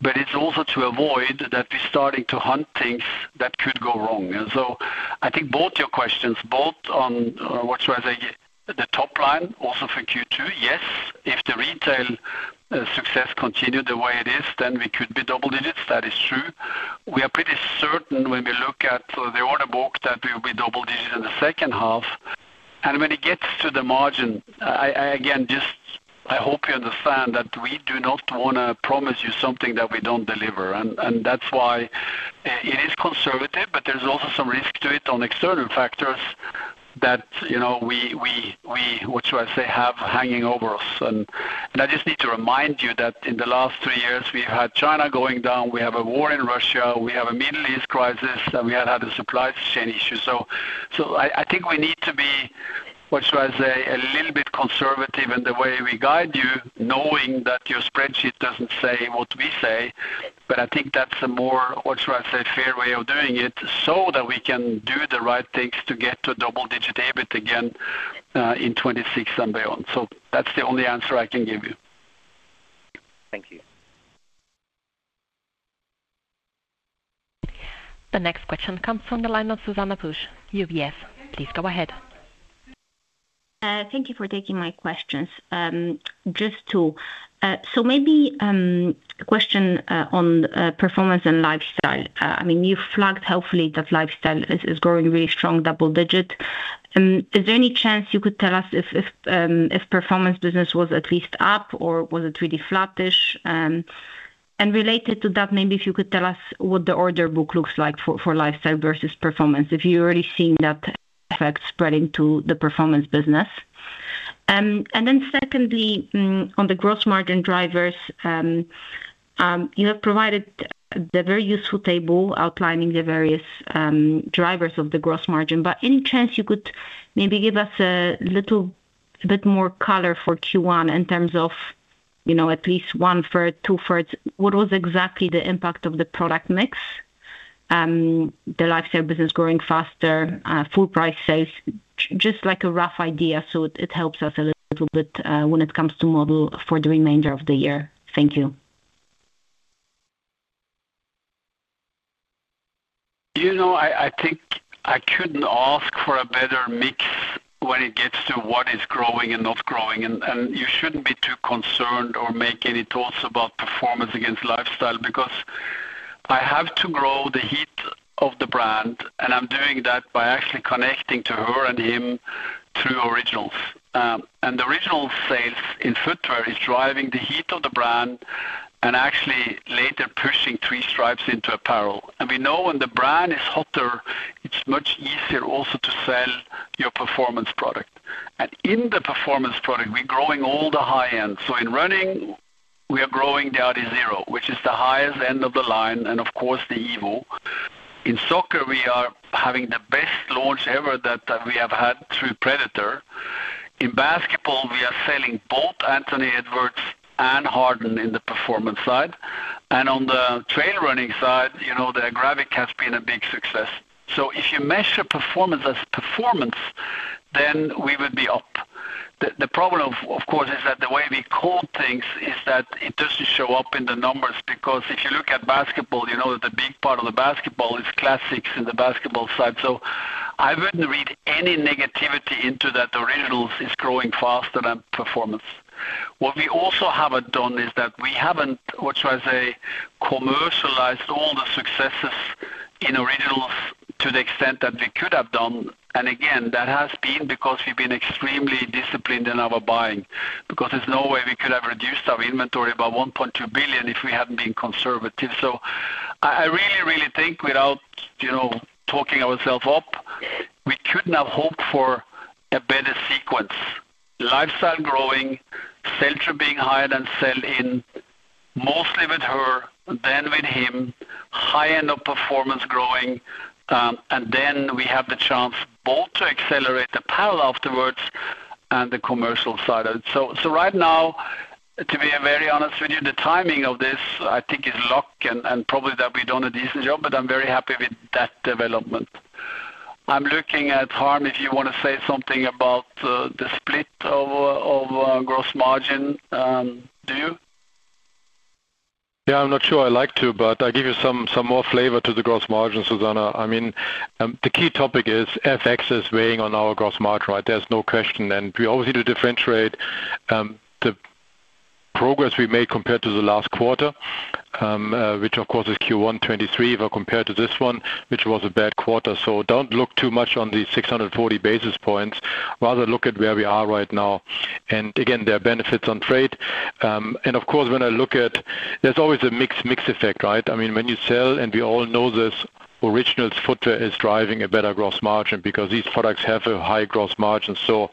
Speaker 3: but it's also to avoid that we're starting to hunt things that could go wrong. And so I think both your questions, both on, what should I say, the top line also for Q2, yes, if the retail success continue the way it is, then we could be double digits. That is true. We are pretty certain when we look at the order book that we will be-... the second half. When it gets to the margin, I again just hope you understand that we do not want to promise you something that we don't deliver. And that's why it is conservative, but there's also some risk to it on external factors that, you know, we have hanging over us. And I just need to remind you that in the last three years, we've had China going down, we have a war in Russia, we have a Middle East crisis, and we have had a supply chain issue. So, I think we need to be, what should I say, a little bit conservative in the way we guide you, knowing that your spreadsheet doesn't say what we say, but I think that's a more, what should I say, fair way of doing it, so that we can do the right things to get to double-digit EBIT again, in 2026 and beyond. So that's the only answer I can give you.
Speaker 4: Thank you.
Speaker 1: The next question comes from the line of Zuzanna Pusz, UBS. Please go ahead.
Speaker 6: Thank you for taking my questions. Just two. So maybe a question on performance and lifestyle. I mean, you flagged healthily that lifestyle is growing really strong, double-digit. Is there any chance you could tell us if performance business was at least up or was it really flattish? And related to that, maybe if you could tell us what the order book looks like for lifestyle versus performance, if you're already seeing that effect spreading to the performance business. And then secondly, on the gross margin drivers, you have provided the very useful table outlining the various drivers of the gross margin. Any chance you could maybe give us a little bit more color for Q1 in terms of, you know, at least one third, two thirds, what was exactly the impact of the product mix? The lifestyle business growing faster, full price sales, just like a rough idea, so it, it helps us a little bit, when it comes to model for the remainder of the year. Thank you.
Speaker 3: You know, I think I couldn't ask for a better mix when it gets to what is growing and not growing, and you shouldn't be too concerned or make any thoughts about performance against lifestyle, because I have to grow the heat of the brand, and I'm doing that by actually connecting to her and him through Originals. And the Originals sales in footwear is driving the heat of the brand and actually later pushing 3-Stripes into apparel. And we know when the brand is hotter, it's much easier also to sell your performance product. And in the performance product, we're growing all the high end. So in running, we are growing the Adizero, which is the highest end of the line, and of course, the Evo. In soccer, we are having the best launch ever that we have had through Predator. In basketball, we are selling both Anthony Edwards and Harden in the Performance side. On the trail running side, you know, the Agravic has been a big success. So if you measure performance as performance, then we would be up. The problem, of course, is that the way we code things is that it doesn't show up in the numbers. Because if you look at basketball, you know that the big part of the basketball is classics in the basketball side. So I wouldn't read any negativity into that Originals is growing faster than Performance. What we also haven't done is that we haven't commercialized all the successes in Originals to the extent that we could have done. Again, that has been because we've been extremely disciplined in our buying, because there's no way we could have reduced our inventory by 1.2 billion if we hadn't been conservative. So I, I really, really think without, you know, talking ourselves up, we couldn't have hoped for a better sequence. Lifestyle growing, sell-through being higher than sell-in, mostly with her, then with him, high end of performance growing, and then we have the chance both to accelerate apparel afterwards and the commercial side of it. So, so right now, to be very honest with you, the timing of this, I think, is luck and, and probably that we've done a decent job, but I'm very happy with that development. I'm looking at Harm, if you want to say something about the split of gross margin, do you?
Speaker 5: Yeah, I'm not sure I like to, but I'll give you some more flavor to the gross margin, Zuzanna. I mean, the key topic is FX is weighing on our gross margin, right? There's no question. And we obviously need to differentiate the progress we made compared to the last quarter, which of course, is Q1 2023, if I compare to this one, which was a bad quarter. So don't look too much on the 640 basis points, rather look at where we are right now. And again, there are benefits on trade. And of course, when I look at—There's always a mixed effect, right? I mean, when you sell, and we all know this, Originals footwear is driving a better gross margin because these products have a high gross margin. So,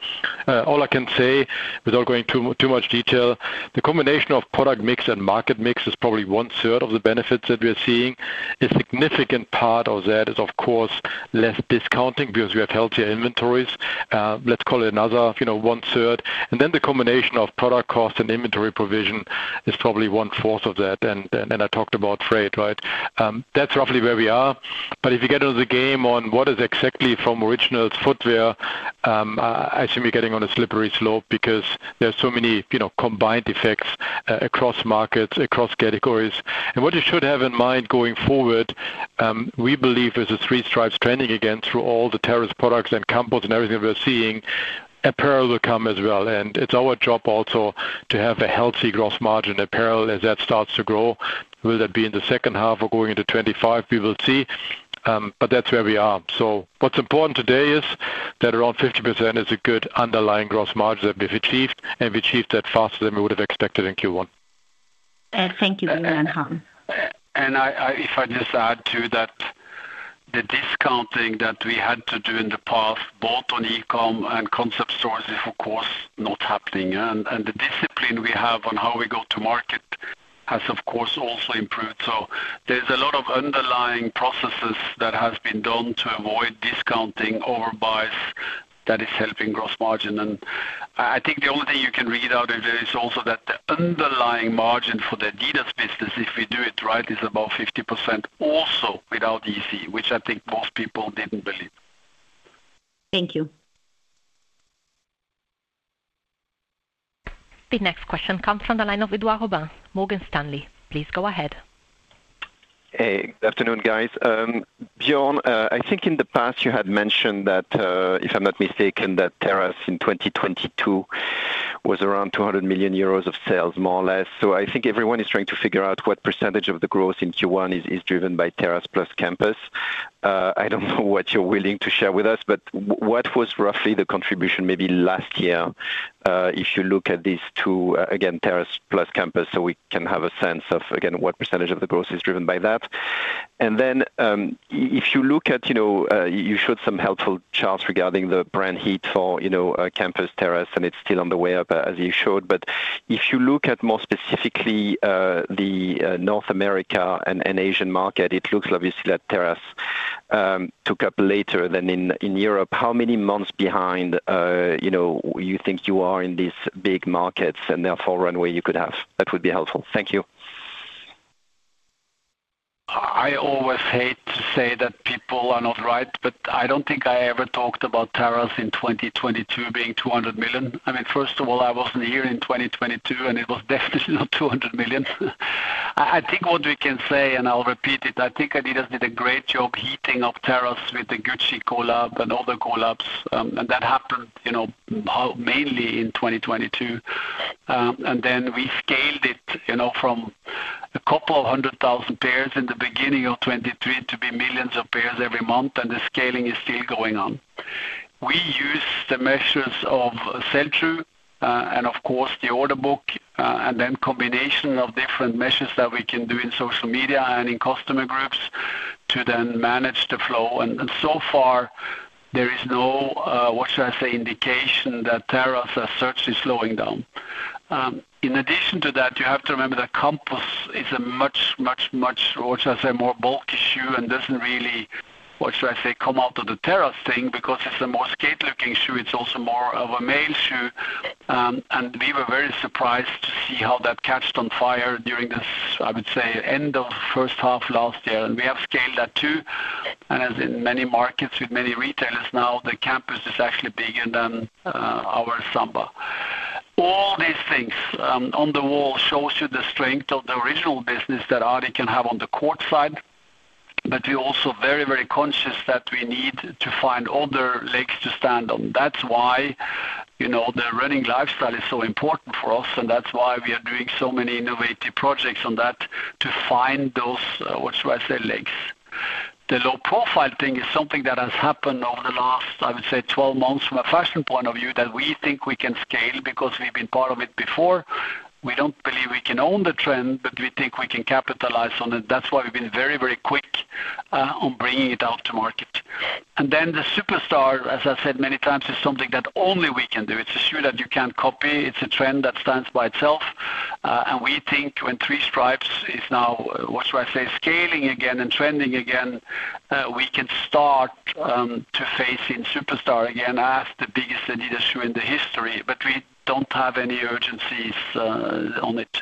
Speaker 5: all I can say, without going too, too much detail, the combination of product mix and market mix is probably one third of the benefits that we are seeing. A significant part of that is, of course, less discounting because we have healthier inventories. Let's call it another, you know, one third. And then the combination of product cost and inventory provision is probably one fourth of that. And I talked about freight, right? That's roughly where we are. But if you get into the game on what is exactly from Originals footwear, I should be getting on a slippery slope because there are so many, you know, combined effects across markets, across categories. What you should have in mind going forward, we believe there's a 3-Stripes trending again through all the Terrace products and Campus and everything we are seeing. Apparel will come as well, and it's our job also to have a healthy gross margin apparel as that starts to grow. Will that be in the second half or going into 25? We will see. But that's where we are. So what's important today is that around 50% is a good underlying gross margin that we've achieved, and we achieved that faster than we would have expected in Q1.
Speaker 6: Thank you, Bjørn and Harm.
Speaker 3: If I just add to that, the discounting that we had to do in the past, both on e-com and concept stores, is of course not happening. The discipline we have on how we go to market has, of course, also improved. So there's a lot of underlying processes that has been done to avoid discounting overbuys that is helping gross margin. I think the only thing you can read out of it is also that the underlying margin for the adidas business, if we do it right, is above 50%, also without Yeezy, which I think most people didn't believe.
Speaker 1: Thank you. The next question comes from the line of Edouard Aubin, Morgan Stanley. Please go ahead.
Speaker 7: Hey, good afternoon, guys. Bjørn, I think in the past you had mentioned that, if I'm not mistaken, that Terrace in 2022 was around 200 million euros of sales, more or less. So I think everyone is trying to figure out what percentage of the growth in Q1 is driven by Terrace plus Campus. I don't know what you're willing to share with us, but what was roughly the contribution maybe last year, if you look at these two, again, Terrace plus Campus, so we can have a sense of, again, what percentage of the growth is driven by that? And then, if you look at, you know, you showed some helpful charts regarding the brand heat for, you know, Campus Terrace, and it's still on the way up, as you showed. But if you look at more specifically, the North America and Asian market, it looks obviously that Terrace took up later than in Europe. How many months behind, you know, you think you are in these big markets and therefore runway you could have? That would be helpful. Thank you.
Speaker 3: I always hate to say that people are not right, but I don't think I ever talked about Terrace in 2022 being 200 million. I mean, first of all, I wasn't here in 2022, and it was definitely not 200 million. I think what we can say, and I'll repeat it, I think adidas did a great job heating up Terrace with the Gucci collab and other collabs, and that happened, you know, mainly in 2022. And then we scaled it, you know, from a couple hundred thousand pairs in the beginning of 2023 to be millions of pairs every month, and the scaling is still going on. We use the measures of sell-through, and of course, the order book, and then combination of different measures that we can do in social media and in customer groups to then manage the flow. And so far, there is no what should I say, indication that Terrace as such is slowing down. In addition to that, you have to remember that Campus is a much, much, much, what should I say, more bulky shoe and doesn't really, what should I say, come out of the Terrace thing because it's a more skate-looking shoe. It's also more of a male shoe. And we were very surprised to see how that caught on fire during this, I would say, end of first half last year. And we have scaled that, too. And as in many markets with many retailers now, the Campus is actually bigger than our Samba. All these things on the wall shows you the strength of the Originals business that Adi can have on the court side. But we're also very, very conscious that we need to find other legs to stand on. That's why, you know, the running lifestyle is so important for us, and that's why we are doing so many innovative projects on that to find those, what should I say, legs. The low profile thing is something that has happened over the last, I would say, 12 months from a fashion point of view, that we think we can scale because we've been part of it before. We don't believe we can own the trend, but we think we can capitalize on it. That's why we've been very, very quick on bringing it out to market. Then the Superstar, as I said many times, is something that only we can do. It's a shoe that you can't copy. It's a trend that stands by itself. And we think when 3-Stripes is now, what should I say, scaling again and trending again, we can start to phase in Superstar again as the biggest adidas shoe in the history, but we don't have any urgencies on it.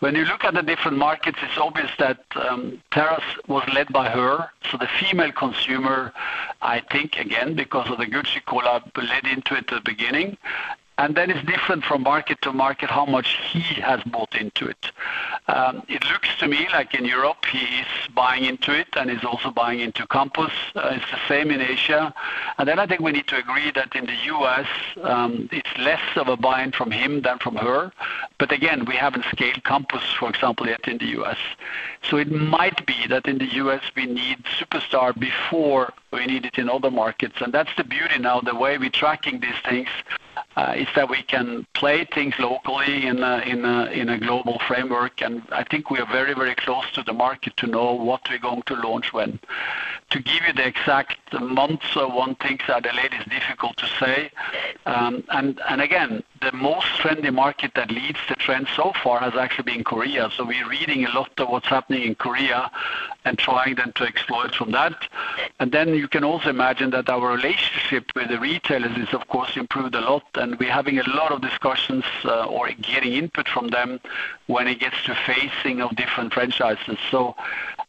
Speaker 3: When you look at the different markets, it's obvious that Terrace was led by her. So the female consumer, I think, again, because of the Gucci collab, led into it at the beginning, and then it's different from market to market, how much he has bought into it. It looks to me like in Europe, he is buying into it and is also buying into Campus. It's the same in Asia. And then I think we need to agree that in the U.S., it's less of a buy-in from him than from her. But again, we haven't scaled Campus, for example, yet in the U.S. So it might be that in the U.S., we need Superstar before we need it in other markets, and that's the beauty now. The way we're tracking these things is that we can play things locally in a global framework. And I think we are very, very close to the market to know what we're going to launch when. To give you the exact months or when things are delayed is difficult to say. And again, the most trendy market that leads the trend so far has actually been Korea. So we're reading a lot of what's happening in Korea and trying then to exploit from that. And then you can also imagine that our relationship with the retailers is, of course, improved a lot, and we're having a lot of discussions, or getting input from them when it gets to facing of different franchises. So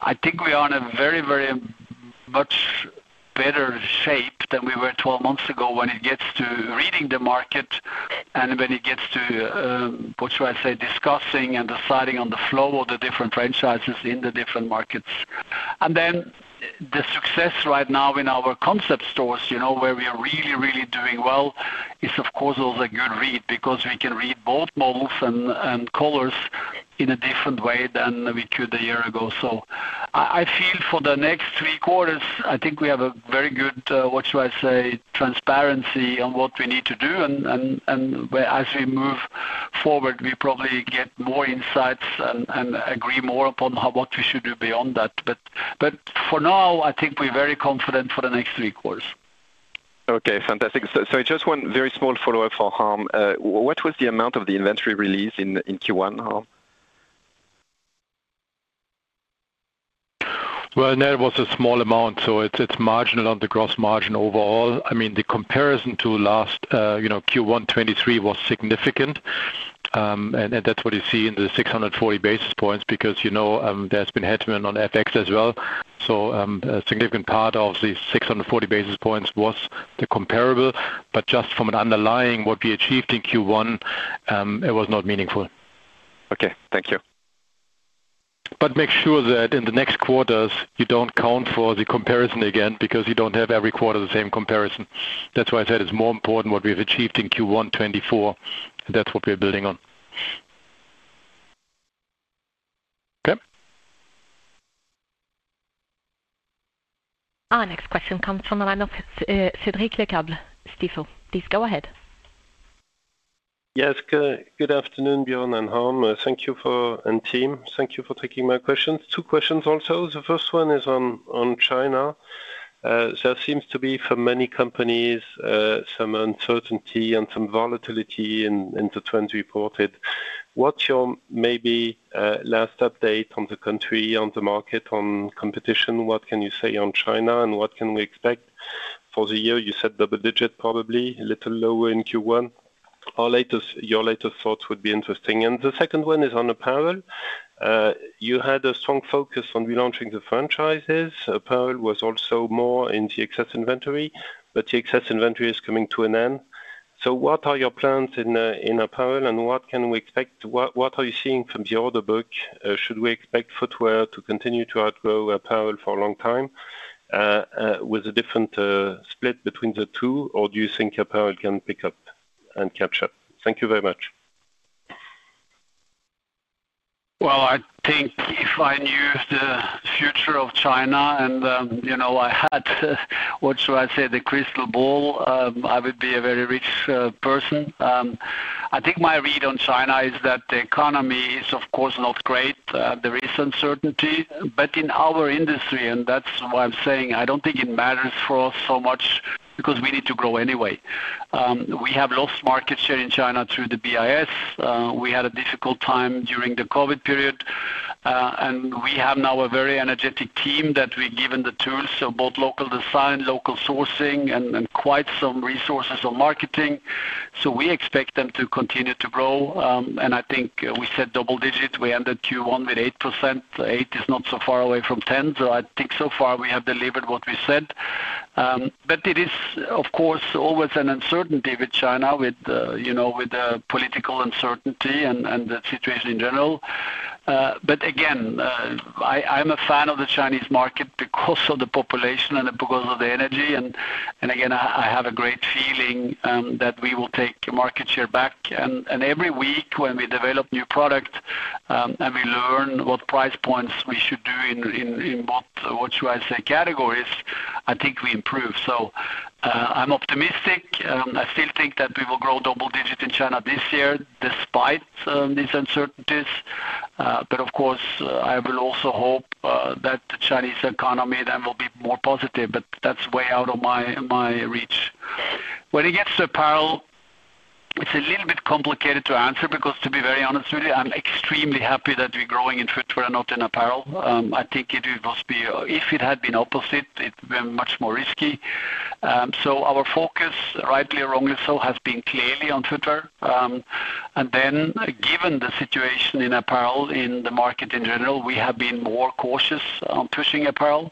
Speaker 3: I think we are in a very, very, much better shape than we were 12 months ago when it gets to reading the market and when it gets to, what should I say? Discussing and deciding on the flow of the different franchises in the different markets. And then the success right now in our concept stores, you know, where we are really, really doing well, is, of course, also a good read, because we can read both models and colors in a different way than we could a year ago. So I feel for the next three quarters, I think we have a very good transparency on what we need to do and as we move forward, we probably get more insights and agree more upon how what we should do beyond that. But for now, I think we're very confident for the next three quarters.
Speaker 7: Okay, fantastic. So just one very small follow-up for Harm. What was the amount of the inventory release in Q1, Harm?
Speaker 5: Well, there was a small amount, so it's, it's marginal on the gross margin overall. I mean, the comparison to last, you know, Q1 2023 was significant. And that's what you see in the 640 basis points, because, you know, there's been headroom on FX as well. So, a significant part of the 640 basis points was the comparable. But just from an underlying, what we achieved in Q1, it was not meaningful.
Speaker 7: Okay, thank you.
Speaker 5: Make sure that in the next quarters, you don't count for the comparison again, because you don't have every quarter the same comparison. That's why I said it's more important what we've achieved in Q1 2024, that's what we're building on.
Speaker 3: Okay.
Speaker 1: Our next question comes from the line of Cedric Lecasble, Stifel. Please go ahead.
Speaker 8: Yes, good afternoon, Bjørn and Harm. Thank you for... And team, thank you for taking my questions. Two questions also. The first one is on China. There seems to be, for many companies, some uncertainty and some volatility in the trends reported. What's your maybe last update on the country, on the market, on competition? What can you say on China, and what can we expect for the year? You said double digit, probably a little lower in Q1. Our latest - Your latest thoughts would be interesting. And the second one is on apparel. You had a strong focus on relaunching the franchises. Apparel was also more in the excess inventory, but the excess inventory is coming to an end. So what are your plans in apparel, and what can we expect? What are you seeing from the order book? Should we expect footwear to continue to outgrow apparel for a long time, with a different split between the two? Or do you think apparel can pick up and catch up? Thank you very much.
Speaker 3: Well, I think if I knew the future of China and, you know, I had, what should I say, the crystal ball, I would be a very rich person. I think my read on China is that the economy is, of course, not great. There is uncertainty, but in our industry, and that's why I'm saying I don't think it matters for us so much because we need to grow anyway. We have lost market share in China through the Yeezy. We had a difficult time during the COVID period, and we have now a very energetic team that we've given the tools, so both local design, local sourcing and quite some resources on marketing. So we expect them to continue to grow. And I think we said double digits. We ended Q1 with 8%. 8 is not so far away from 10, so I think so far we have delivered what we said. But it is, of course, always an uncertainty with China, with, you know, with the political uncertainty and, and the situation in general. But again, I, I'm a fan of the Chinese market because of the population and because of the energy, and, and again, I, I have a great feeling, that we will take market share back. And, and every week when we develop new product, and we learn what price points we should do in, in, in what, what should I say, categories, I think we improve. So, I'm optimistic. I still think that we will grow double-digit in China this year, despite, these uncertainties. But of course, I will also hope that the Chinese economy then will be more positive, but that's way out of my reach. When it gets to apparel, it's a little bit complicated to answer because, to be very honest with you, I'm extremely happy that we're growing in footwear and not in apparel. I think it would must be... If it had been opposite, it would be much more risky. So our focus, rightly or wrongly so, has been clearly on footwear. And then given the situation in apparel, in the market in general, we have been more cautious on pushing apparel.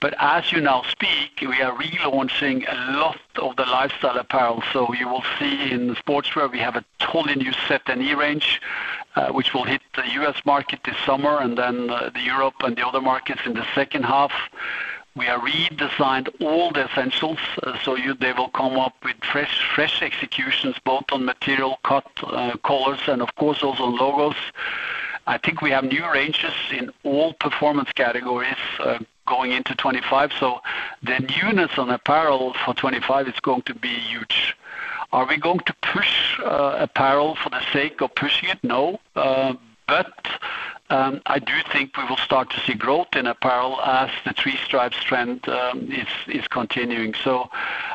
Speaker 3: But as you now speak, we are relaunching a lot of the lifestyle apparel. So you will see in the Sportswear, we have a totally new set and range, which will hit the U.S. market this summer and then, the Europe and the other markets in the second half. We have redesigned all the Essentials, so they will come up with fresh executions, both on material, cut, colors and of course, also logos. I think we have new ranges in all performance categories, going into 2025. So the newness on apparel for 2025 is going to be huge. Are we going to push apparel for the sake of pushing it? No. But, I do think we will start to see growth in apparel as the 3-Stripe trend is continuing. So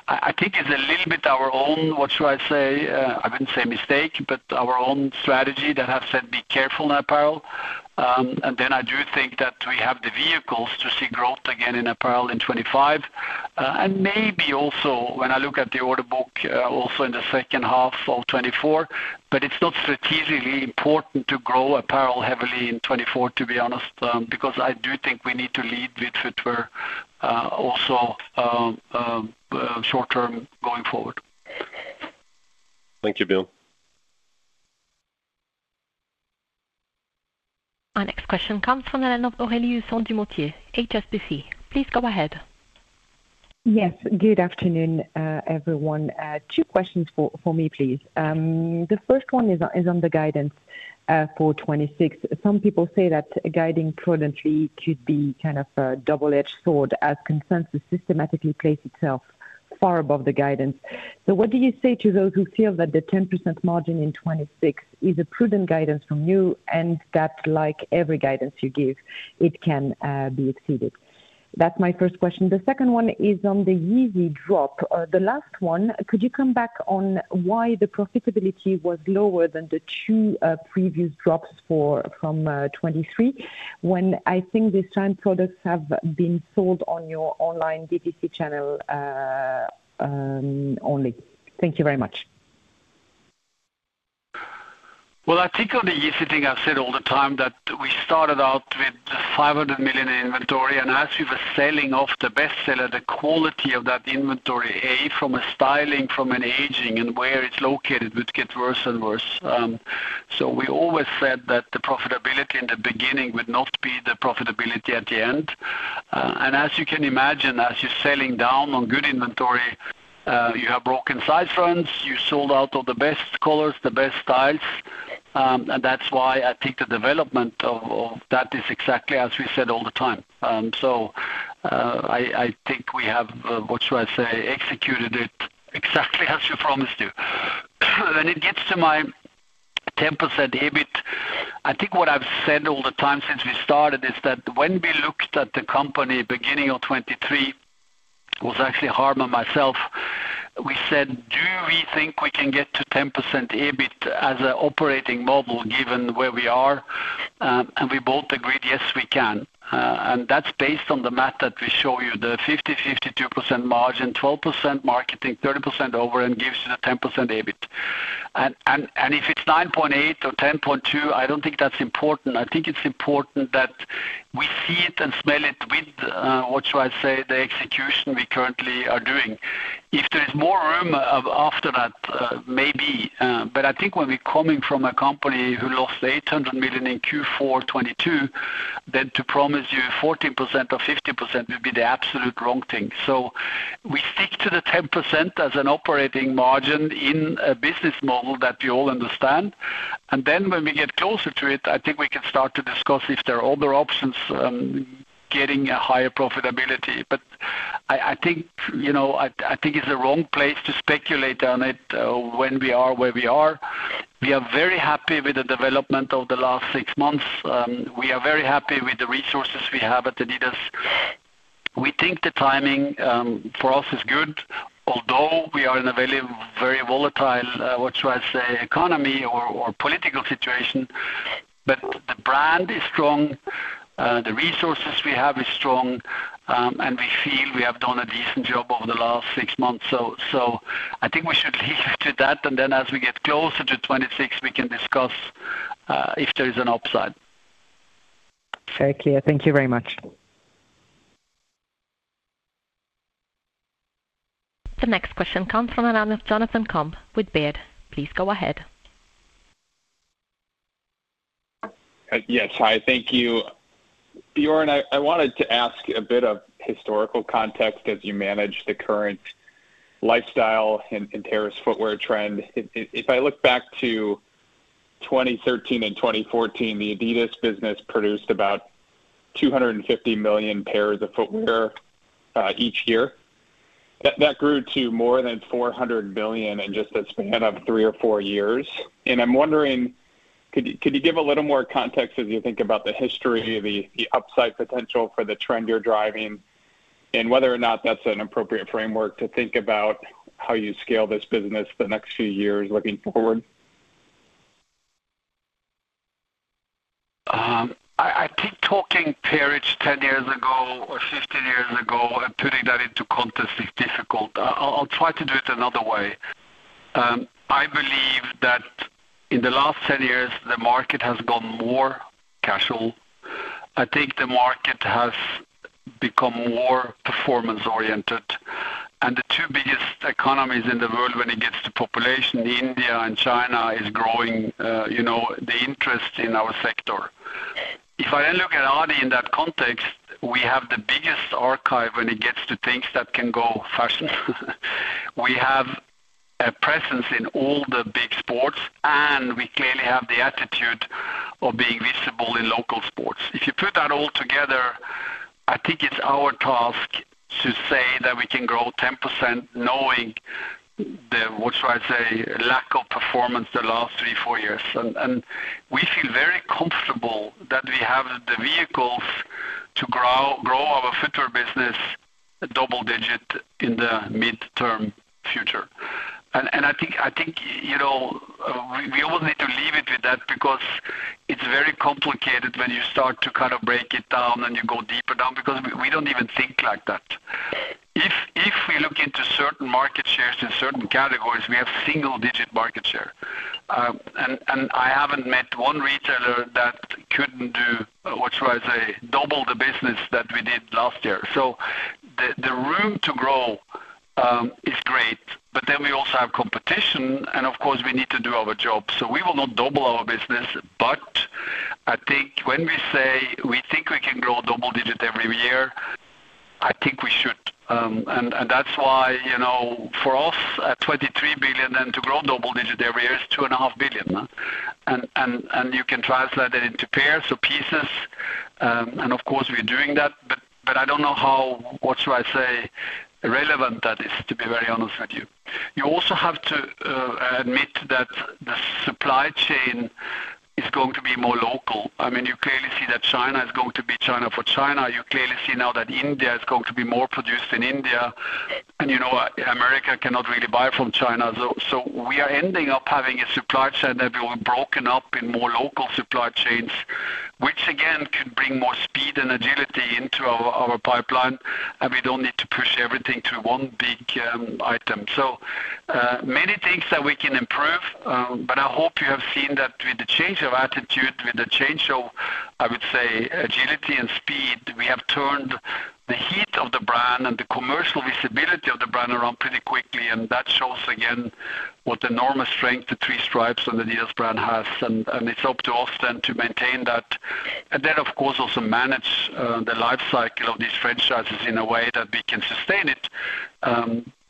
Speaker 3: I think it's a little bit our own, what should I say? I wouldn't say mistake, but our own strategy that has said, be careful in apparel. And then I do think that we have the vehicles to see growth again in apparel in 2025. And maybe also when I look at the order book, also in the second half of 2024. But it's not strategically important to grow apparel heavily in 2024, to be honest, because I do think we need to lead with footwear, also, short term going forward.
Speaker 8: Thank you, Bjørn.
Speaker 1: Our next question comes from the line of Aurélie Husson-Dumoutier, HSBC. Please go ahead.
Speaker 9: Yes, good afternoon, everyone. Two questions for me, please. The first one is on the guidance for 2026. Some people say that guiding prudently could be kind of a double-edged sword, as consensus systematically place itself far above the guidance. So what do you say to those who feel that the 10% margin in 2026 is a prudent guidance from you, and that, like every guidance you give, it can be exceeded? That's my first question. The second one is on the YEEZY drop, the last one, could you come back on why the profitability was lower than the 2 previous drops from 2023, when I think this time products have been sold on your online DTC channel only? Thank you very much.
Speaker 3: Well, I think on the YEEZY thing, I've said all the time that we started out with 500 million in inventory, and as we were selling off the best seller, the quality of that inventory, from a styling, from an aging and where it's located, would get worse and worse. So we always said that the profitability in the beginning would not be the profitability at the end. And as you can imagine, as you're selling down on good inventory, you have broken size runs, you sold out all the best colors, the best styles. And that's why I think the development of that is exactly as we said all the time. So, I think we have executed it exactly as we promised you. When it gets to my 10% EBIT, I think what I've said all the time since we started is that when we looked at the company, beginning of 2023, it was actually Harm and myself. We said, "Do we think we can get to 10% EBIT as an operating model, given where we are?" And we both agreed, yes, we can. And that's based on the math that we show you, the 50%-52% margin, 12% marketing, 30% over, and gives you the 10% EBIT. And if it's 9.8 or 10.2, I don't think that's important. I think it's important that we see it and smell it with what should I say, the execution we currently are doing. If there is more room, after that, maybe, but I think when we're coming from a company who lost 800 million in Q4 2022, then to promise you 14% or 50% would be the absolute wrong thing. So we stick to the 10% as an operating margin in a business model that we all understand, and then when we get closer to it, I think we can start to discuss if there are other options, getting a higher profitability. But I think, you know, I think it's the wrong place to speculate on it, when we are where we are. We are very happy with the development of the last six months. We are very happy with the resources we have at adidas. We think the timing for us is good, although we are in a very, very volatile economy or political situation, but the brand is strong, the resources we have is strong, and we feel we have done a decent job over the last six months. So I think we should leave it to that, and then as we get closer to 2026, we can discuss if there is an upside.
Speaker 9: Very clear. Thank you very much.
Speaker 1: The next question comes from the line of Jonathan Komp with Baird. Please go ahead.
Speaker 10: Yes. Hi, thank you. Bjørn, I wanted to ask a bit of historical context as you manage the current lifestyle and terrace footwear trend. If I look back to 2013 and 2014, the adidas business produced about 250 million pairs of footwear each year. That grew to more than 400 million in just a span of three or four years. I'm wondering, could you give a little more context as you think about the history, the upside potential for the trend you're driving, and whether or not that's an appropriate framework to think about how you scale this business the next few years looking forward?
Speaker 3: I keep talking pairs 10 years ago or 15 years ago, and putting that into context is difficult. I'll try to do it another way. I believe that in the last 10 years, the market has gone more casual. I think the market has become more performance-oriented, and the two biggest economies in the world when it gets to population, India and China, is growing, you know, the interest in our sector. If I then look at adidas in that context, we have the biggest archive when it gets to things that can go fashion. We have a presence in all the big sports, and we clearly have the attitude of being visible in local sports. If you put that all together, I think it's our task to say that we can grow 10%, knowing the, what should I say? Lack of performance the last 3-4 years. We feel very comfortable that we have the vehicles to grow our future business double-digit in the midterm. I think, you know, we will need to leave it with that because it's very complicated when you start to kind of break it down and you go deeper down, because we don't even think like that. If we look into certain market shares in certain categories, we have single-digit market share. And I haven't met one retailer that couldn't do, what should I say? Double the business that we did last year. So the room to grow is quite—we also have competition, and of course, we need to do our job. So we will not double our business, but I think when we say we think we can grow double-digit every year, I think we should. And that's why, you know, for us, at 23 billion, and to grow double-digit every year is 2.5 billion, huh? And you can translate that into pairs or pieces, and of course, we're doing that, but I don't know how, what should I say, relevant that is, to be very honest with you. You also have to admit that the supply chain is going to be more local. I mean, you clearly see that China is going to be China. For China, you clearly see now that India is going to be more produced in India, and, you know, America cannot really buy from China. So, we are ending up having a supply chain that we were broken up in more local supply chains, which again, could bring more speed and agility into our, our pipeline, and we don't need to push everything to one big item. So, many things that we can improve, but I hope you have seen that with the change of attitude, with the change of, I would say, agility and speed, we have turned the heat of the brand and the commercial visibility of the brand around pretty quickly, and that shows again what enormous strength the 3-Stripes on the adidas brand has, and it's up to us then to maintain that. And then, of course, also manage the life cycle of these franchises in a way that we can sustain it,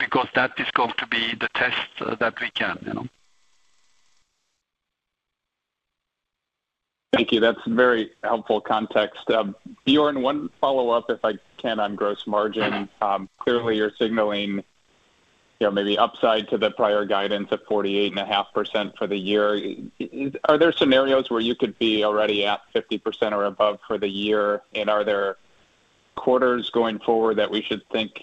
Speaker 3: because that is going to be the test that we can, you know.
Speaker 10: Thank you. That's very helpful context. Bjørn, one follow-up, if I can, on gross margin.
Speaker 3: Mm-hmm.
Speaker 10: Clearly, you're signaling, you know, maybe upside to the prior guidance of 48.5% for the year. Are there scenarios where you could be already at 50% or above for the year? And are there quarters going forward that we should think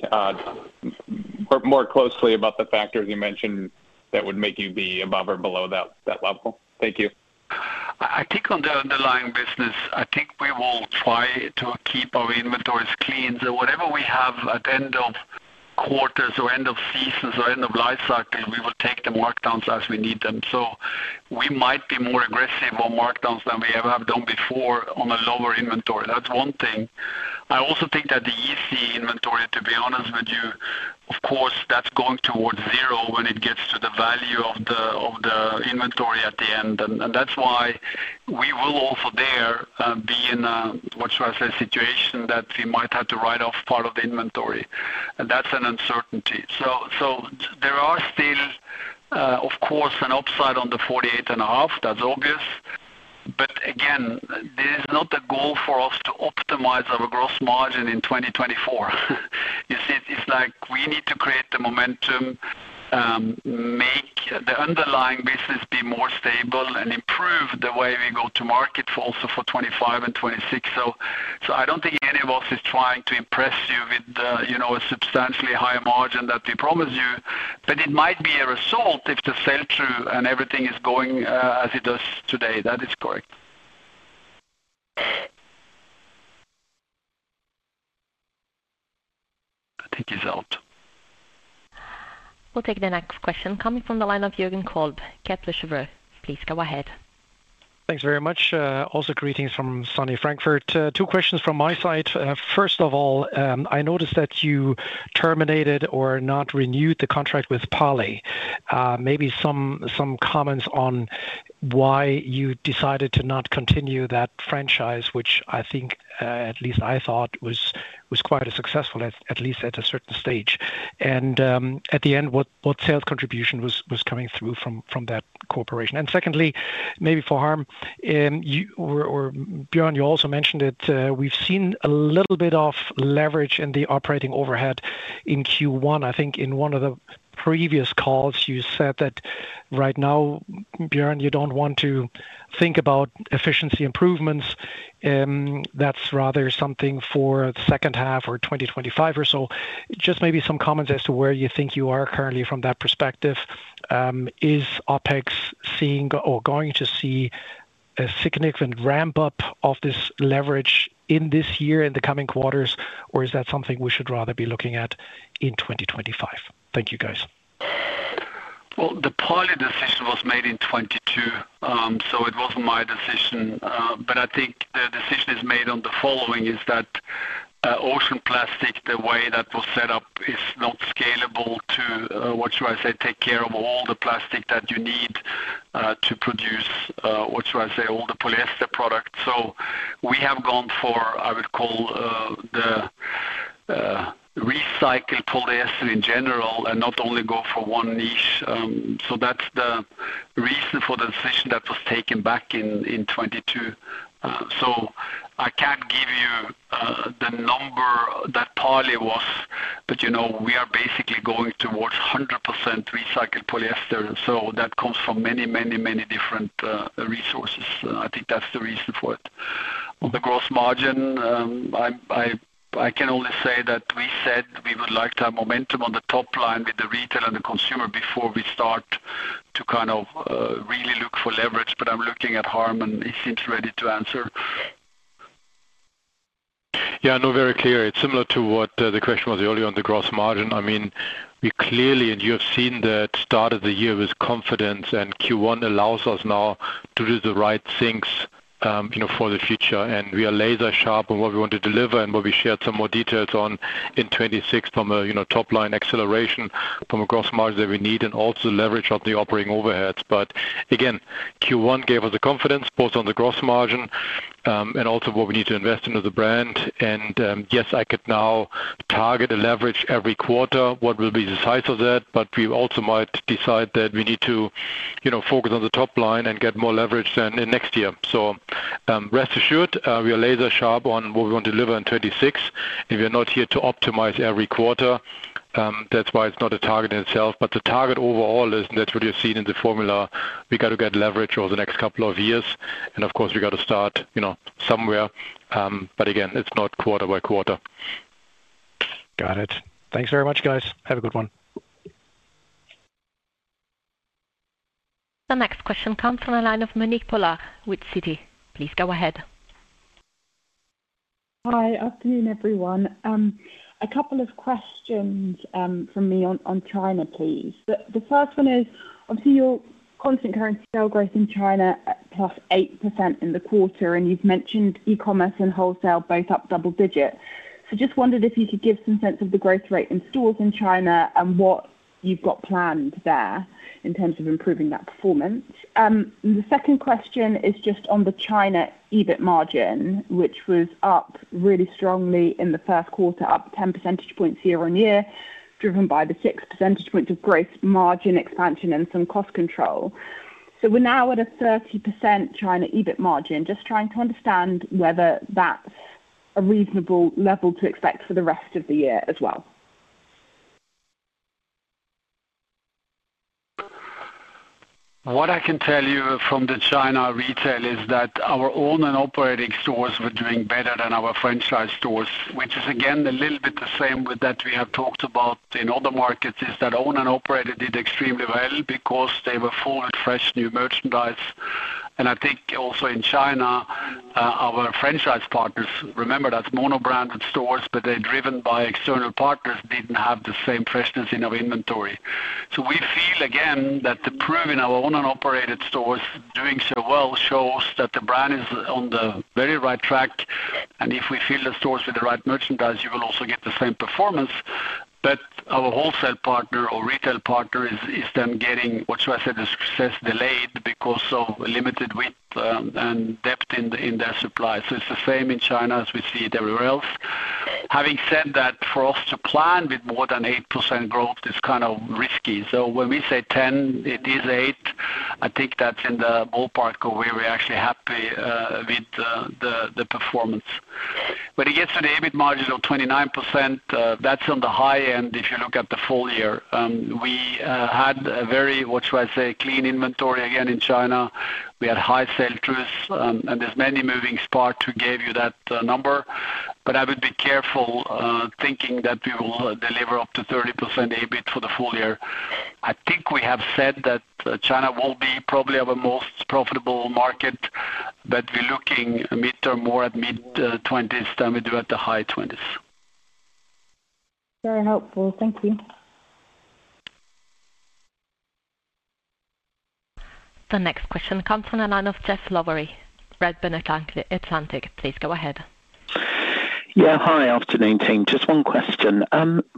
Speaker 10: more closely about the factors you mentioned that would make you be above or below that, that level? Thank you.
Speaker 3: I think on the underlying business, I think we will try to keep our inventories clean. So whatever we have at end of quarters or end of seasons or end of life cycles, we will take the markdowns as we need them. So we might be more aggressive on markdowns than we ever have done before on a lower inventory. That's one thing. I also think that the Yeezy inventory, to be honest with you, of course, that's going towards zero when it gets to the value of the inventory at the end. And that's why we will also there be in a, what should I say, situation, that we might have to write off part of the inventory, and that's an uncertainty. So there are still, of course, an upside on the 48.5, that's obvious. But again, this is not the goal for us to optimize our gross margin in 2024. You see, it's like we need to create the momentum, make the underlying business be more stable and improve the way we go to market also for 2025 and 2026. So I don't think any of us is trying to impress you with, you know, a substantially higher margin that we promise you, but it might be a result if the sell-through and everything is going as it does today. That is correct. I think he's out.
Speaker 1: We'll take the next question coming from the line of Jürgen Kolb, Kepler Cheuvreux. Please go ahead.
Speaker 11: Thanks very much. Also greetings from sunny Frankfurt. Two questions from my side. First of all, I noticed that you terminated or not renewed the contract with Parley. Maybe some comments on why you decided to not continue that franchise, which I think, at least I thought was quite a successful, at least at a certain stage. And at the end, what sales contribution was coming through from that cooperation? And secondly, maybe for Harm, you or Bjørn, you also mentioned it, we've seen a little bit of leverage in the operating overhead in Q1. I think in one of the previous calls, you said that right now, Bjørn, you don't want to think about efficiency improvements. That's rather something for the second half or 2025 or so. Just maybe some comments as to where you think you are currently from that perspective. Is OpEx seeing or going to see a significant ramp-up of this leverage in this year, in the coming quarters, or is that something we should rather be looking at in 2025? Thank you, guys.
Speaker 3: Well, the Parley decision was made in 2022, so it wasn't my decision. But I think the decision is made on the following, is that, Ocean Plastic, the way that was set up, is not scalable to, take care of all the plastic that you need, to produce, all the polyester products. So we have gone for, I would call, the, recycled polyester in general and not only go for one niche. So that's the reason for the decision that was taken back in, in 2022. So I can't give you, the number that Parley was, but, you know, we are basically going towards 100% recycled polyester, so that comes from many, many, many different, resources. I think that's the reason for it. On the gross margin, I can only say that we said we would like to have momentum on the top line with the retailer and the consumer before we start to kind of really look for leverage, but I'm looking at Harm, and he seems ready to answer.
Speaker 10: Yeah, no, very clear. It's similar to what the question was earlier on the gross margin. I mean, we clearly, and you have seen the start of the year with confidence, and Q1 allows us now to do the right things-
Speaker 3: You know, for the future, and we are laser sharp on what we want to deliver and what we shared some more details on in 2026 from a, you know, top line acceleration, from a gross margin that we need and also leverage up the operating overheads. But again, Q1 gave us the confidence, both on the gross margin, and also what we need to invest into the brand. And, yes, I could now target and leverage every quarter what will be the size of that, but we also might decide that we need to, you know, focus on the top line and get more leverage than in next year. So, rest assured, we are laser sharp on what we want to deliver in 2026, and we are not here to optimize every quarter. That's why it's not a target in itself, but the target overall is, and that's what you've seen in the formula. We got to get leverage over the next couple of years, and of course, we got to start, you know, somewhere, but again, it's not quarter by quarter.
Speaker 11: Got it. Thanks very much, guys. Have a good one.
Speaker 1: The next question comes from the line of Monique Pollard with Citi. Please go ahead.
Speaker 12: Hi. Afternoon, everyone. A couple of questions from me on China, please. The first one is, obviously, your constant currency sales growth in China, at +8% in the quarter, and you've mentioned e-commerce and wholesale both up double digits. So just wondered if you could give some sense of the growth rate in stores in China and what you've got planned there in terms of improving that performance. And the second question is just on the China EBIT margin, which was up really strongly in the first quarter, up 10 percentage points year-on-year, driven by the six percentage points of gross margin expansion and some cost control. So we're now at a 30% China EBIT margin. Just trying to understand whether that's a reasonable level to expect for the rest of the year as well.
Speaker 3: What I can tell you from the China retail is that our own and operating stores were doing better than our franchise stores, which is, again, a little bit the same with that we have talked about in other markets, is that own and operated did extremely well because they were full and fresh, new merchandise. And I think also in China, our franchise partners, remember, that's mono-branded stores, but they're driven by external partners, didn't have the same freshness in our inventory. So we feel, again, that the proof in our own and operated stores doing so well shows that the brand is on the very right track, and if we fill the stores with the right merchandise, you will also get the same performance. But our wholesale partner or retail partner is then getting, what should I say, the success delayed because of limited width and depth in the, in their supply. So it's the same in China as we see it everywhere else. Having said that, for us to plan with more than 8% growth is kind of risky. So when we say 10, it is 8. I think that's in the ballpark of where we're actually happy with the performance. When it gets to the EBIT margin of 29%, that's on the high end, if you look at the full year. We had a very, what should I say, clean inventory again in China. We had high sell-throughs, and there's many moving parts who gave you that number. But I would be careful thinking that we will deliver up to 30% EBIT for the full year. I think we have said that China will be probably our most profitable market, but we're looking mid or more at mid-20s% than we do at the high 20s percent.
Speaker 12: Very helpful. Thank you.
Speaker 1: The next question comes from the line of Geoff Lowery, Redburn Atlantic. Please go ahead.
Speaker 13: Yeah. Hi, afternoon, team. Just one question.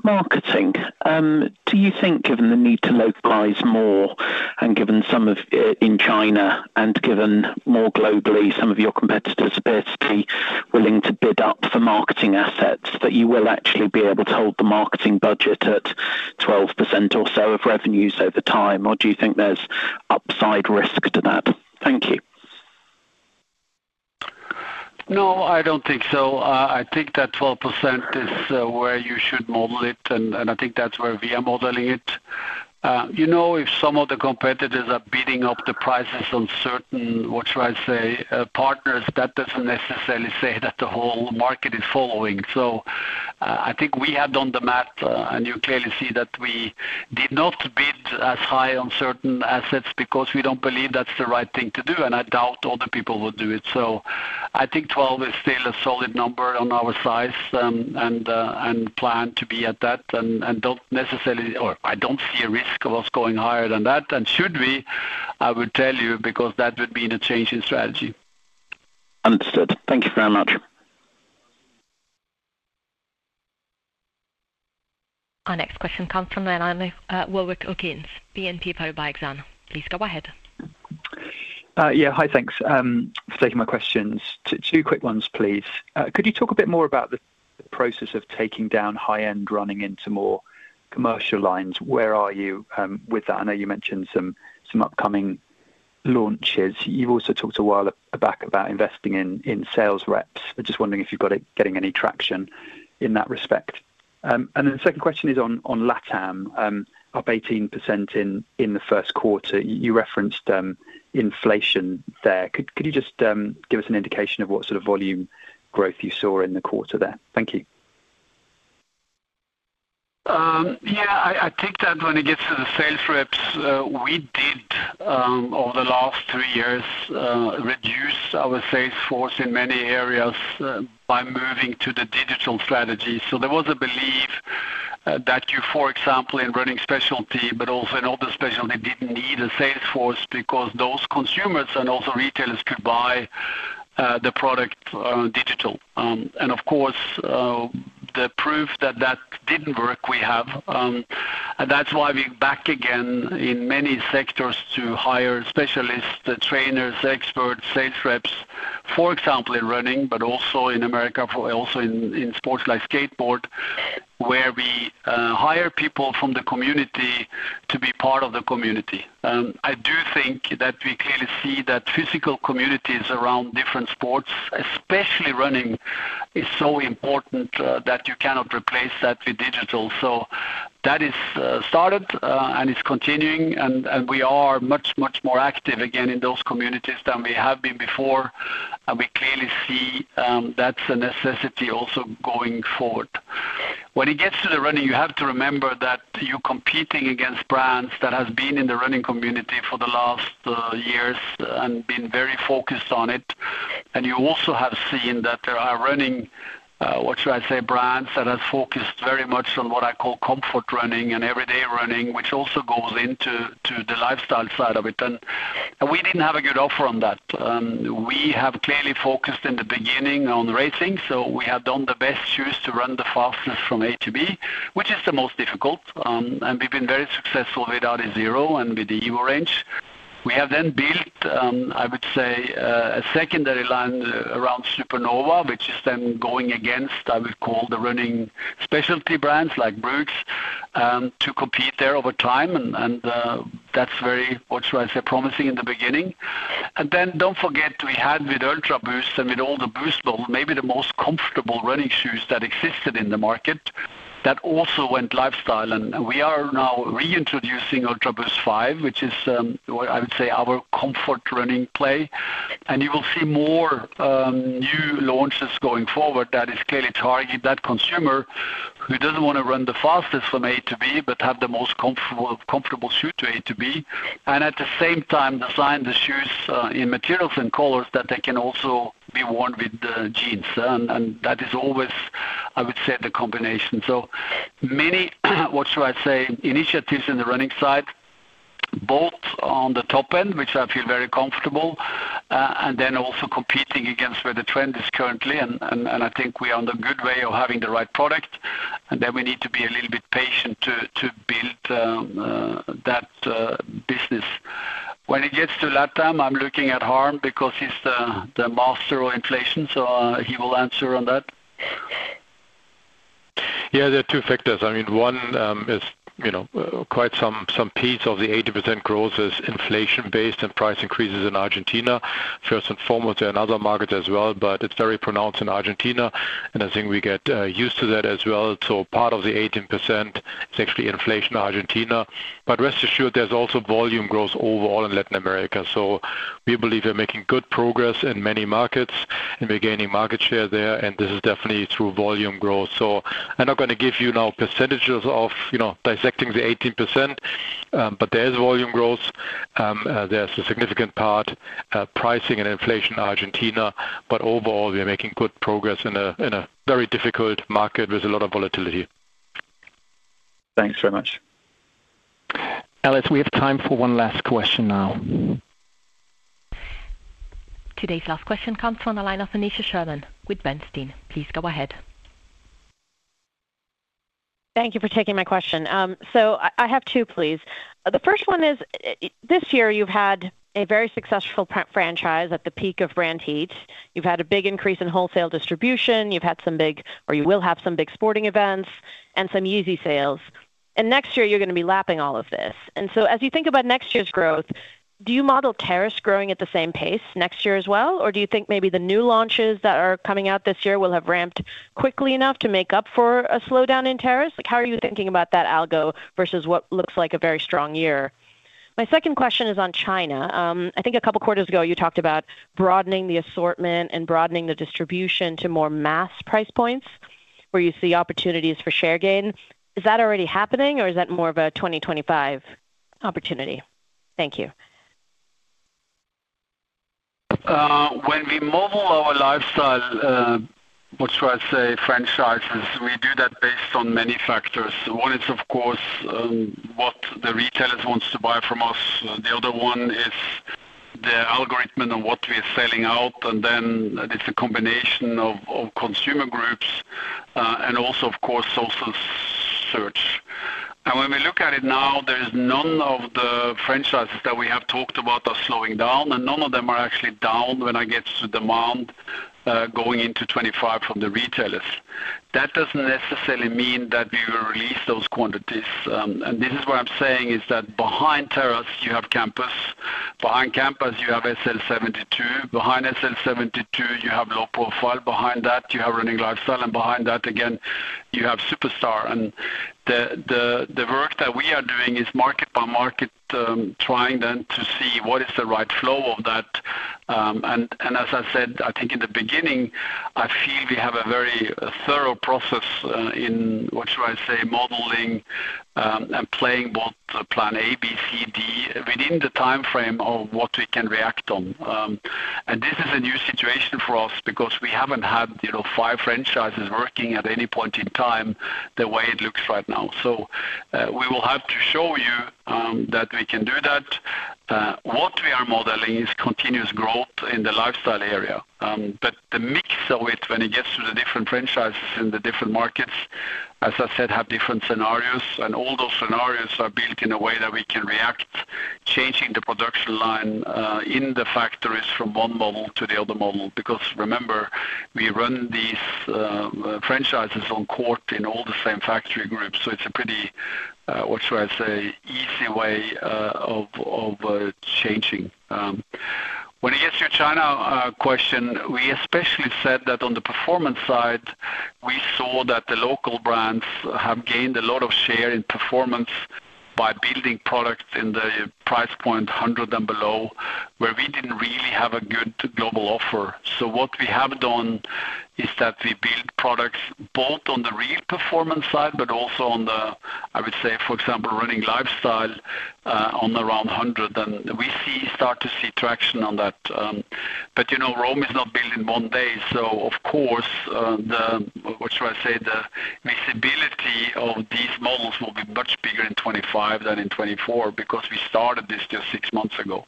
Speaker 13: Marketing, do you think, given the need to localize more and given some of, in China and given more globally, some of your competitors appear to be willing to bid up for marketing assets, that you will actually be able to hold the marketing budget at 12% or so of revenues over time, or do you think there's upside risk to that? Thank you.
Speaker 3: No, I don't think so. I think that 12% is where you should model it, and I think that's where we are modeling it. You know, if some of the competitors are bidding up the prices on certain, what should I say, partners, that doesn't necessarily say that the whole market is following. So, I think we have done the math, and you clearly see that we did not bid as high on certain assets because we don't believe that's the right thing to do, and I doubt other people will do it. So I think 12 is still a solid number on our size, and plan to be at that, and don't necessarily... or I don't see a risk of us going higher than that. Should we, I would tell you, because that would mean a change in strategy.
Speaker 13: Understood. Thank you very much.
Speaker 1: Our next question comes from the line of Warwick Okines, BNP Paribas Exane. Please go ahead.
Speaker 14: Yeah, hi, thanks for taking my questions. Two quick ones, please. Could you talk a bit more about the process of taking down high-end running into more commercial lines? Where are you with that? I know you mentioned some upcoming launches. You also talked a while back about investing in sales reps. I'm just wondering if you've got it, getting any traction in that respect. And then the second question is on LATAM, up 18% in the first quarter. You referenced inflation there. Could you just give us an indication of what sort of volume growth you saw in the quarter there? Thank you.
Speaker 3: Yeah, I think that when it gets to the sales reps, we did over the last three years reduce our sales force in many areas by moving to the digital strategy. So there was a belief that you, for example, in running specialty, but also in other specialty, didn't need a sales force because those consumers and also retailers could buy the product digital. And of course, the proof that that didn't work we have, and that's why we're back again in many sectors to hire specialists, trainers, experts, sales reps, for example, in running, but also in America, for also in sports like skateboard, where we hire people from the community to be part of the community. I do think that we clearly see that physical communities around different sports, especially running, is so important that you cannot replace that with digital. So that is started, and it's continuing, and we are much, much more active again in those communities than we have been before. And we clearly see that's a necessity also going forward. When it gets to the running, you have to remember that you're competing against brands that has been in the running community for the last years and been very focused on it. And you also have seen that there are running what should I say brands that have focused very much on what I call comfort running and everyday running, which also goes into the lifestyle side of it. And we didn't have a good offer on that. We have clearly focused in the beginning on racing, so we have done the best shoes to run the fastest from A to B, which is the most difficult. And we've been very successful with Adizero and with the EVO range. We have then built, I would say, a secondary line around Supernova, which is then going against, I would call the running specialty brands like Brooks, to compete there over time, and that's very, what should I say, promising in the beginning. And then don't forget, we had with Ultraboost and with all the Boost model, maybe the most comfortable running shoes that existed in the market. That also went lifestyle, and we are now reintroducing Ultraboost 5, which is, what I would say, our comfort running play. You will see more new launches going forward that is clearly target that consumer who doesn't want to run the fastest from A to B, but have the most comfortable, comfortable shoe to A to B, and at the same time, design the shoes in materials and colors that they can also be worn with the jeans. And that is always, I would say, the combination. So many, what should I say? Initiatives in the running side, both on the top end, which I feel very comfortable, and then also competing against where the trend is currently. And I think we are on the good way of having the right product, and then we need to be a little bit patient to build that business. When it gets to LATAM, I'm looking at Harm because he's the master of inflation, so he will answer on that.
Speaker 5: Yeah, there are two factors. I mean, one, is, you know, quite some piece of the 18% growth is inflation-based and price increases in Argentina, first and foremost, and other markets as well, but it's very pronounced in Argentina, and I think we get used to that as well. So part of the 18% is actually inflation in Argentina. But rest assured, there's also volume growth overall in Latin America. So we believe we're making good progress in many markets, and we're gaining market share there, and this is definitely through volume growth. So I'm not gonna give you now percentages of, you know, dissecting the 18%, but there is volume growth. There's a significant part pricing and inflation in Argentina, but overall, we are making good progress in a very difficult market with a lot of volatility.
Speaker 14: Thanks very much.
Speaker 2: Alice, we have time for one last question now.
Speaker 1: Today's last question comes from the line of Aneesha Sherman with Bernstein. Please go ahead.
Speaker 15: Thank you for taking my question. So I have two, please. The first one is, this year you've had a very successful franchise at the peak of brand heat. You've had a big increase in wholesale distribution. You've had some big, or you will have some big sporting events and some Yeezy sales. And next year you're gonna be lapping all of this. And so as you think about next year's growth, do you model Terrace growing at the same pace next year as well? Or do you think maybe the new launches that are coming out this year will have ramped quickly enough to make up for a slowdown in Terrace? Like, how are you thinking about that algo versus what looks like a very strong year? My second question is on China. I think a couple quarters ago, you talked about broadening the assortment and broadening the distribution to more mass price points, where you see opportunities for share gain. Is that already happening, or is that more of a 2025 opportunity? Thank you.
Speaker 3: When we model our lifestyle, what should I say? Franchises, we do that based on many factors. One is, of course, what the retailers wants to buy from us, and the other one is the algorithm and what we are selling out, and then it's a combination of consumer groups, and also, of course, social search. When we look at it now, there's none of the franchises that we have talked about are slowing down, and none of them are actually down when it gets to demand, going into 25 from the retailers. That doesn't necessarily mean that we will release those quantities. And this is what I'm saying, is that behind Terrace, you have Campus. Behind Campus, you have SL 72. Behind SL 72, you have low profile. Behind that, you have running lifestyle, and behind that, again, you have Superstar. The work that we are doing is market by market, trying then to see what is the right flow of that. As I said, I think in the beginning, I feel we have a very thorough process in modeling and playing both the plan A, B, C, D within the timeframe of what we can react on. This is a new situation for us because we haven't had, you know, five franchises working at any point in time, the way it looks right now. We will have to show you that we can do that. What we are modeling is continuous growth in the lifestyle area. But the mix of it, when it gets to the different franchises in the different markets, as I said, have different scenarios, and all those scenarios are built in a way that we can react, changing the production line in the factories from one model to the other model. Because remember, we run these franchises on court in all the same factory groups, so it's a pretty, what should I say, easy way of changing. When it gets to your China question, we especially said that on the performance side, we saw that the local brands have gained a lot of share in performance by building products in the price point 100 and below, where we didn't really have a good global offer. So what we have done is that we build products both on the real performance side, but also on the, I would say, for example, running lifestyle, on around 100, and we start to see traction on that. But, you know, Rome is not built in one day, so of course, the, what should I say, the visibility of these models will be much bigger in 2025 than in 2024 because we started this just six months ago.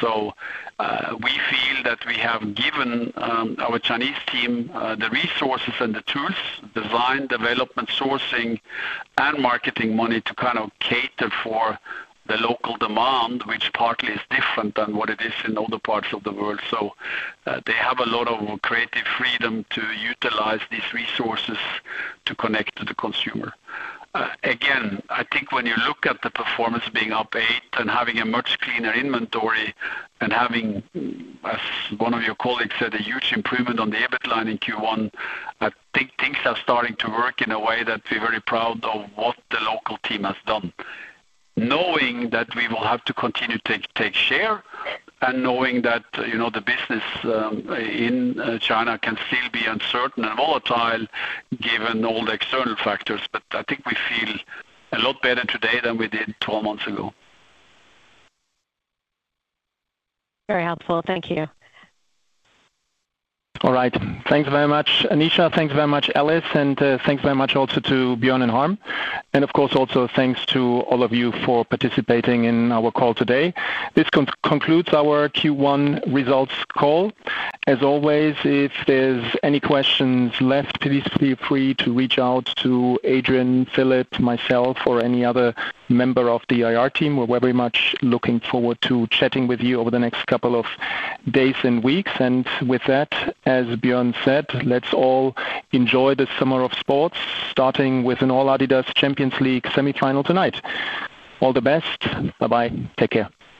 Speaker 3: So, we feel that we have given, our Chinese team, the resources and the tools, design, development, sourcing, and marketing money to kind of cater for the local demand, which partly is different than what it is in other parts of the world. So, they have a lot of creative freedom to utilize these resources to connect to the consumer. Again, I think when you look at the performance being up 8% and having a much cleaner inventory and having, as one of your colleagues said, a huge improvement on the EBIT line in Q1, I think things are starting to work in a way that we're very proud of what the local team has done. Knowing that we will have to continue to take share and knowing that, you know, the business in China can still be uncertain and volatile given all the external factors, but I think we feel a lot better today than we did 12 months ago.
Speaker 15: Very helpful. Thank you.
Speaker 2: All right. Thanks very much, Aneesha. Thanks very much, Alice, and thanks very much also to Bjørn and Harm. And of course, also thanks to all of you for participating in our call today. This concludes our Q1 results call. As always, if there's any questions left, please feel free to reach out to Adrian, Philipp, myself, or any other member of the IR team. We're very much looking forward to chatting with you over the next couple of days and weeks. And with that, as Bjørn said, let's all enjoy the summer of sports, starting with an all-Adidas Champions League semifinal tonight. All the best. Bye-bye. Take care.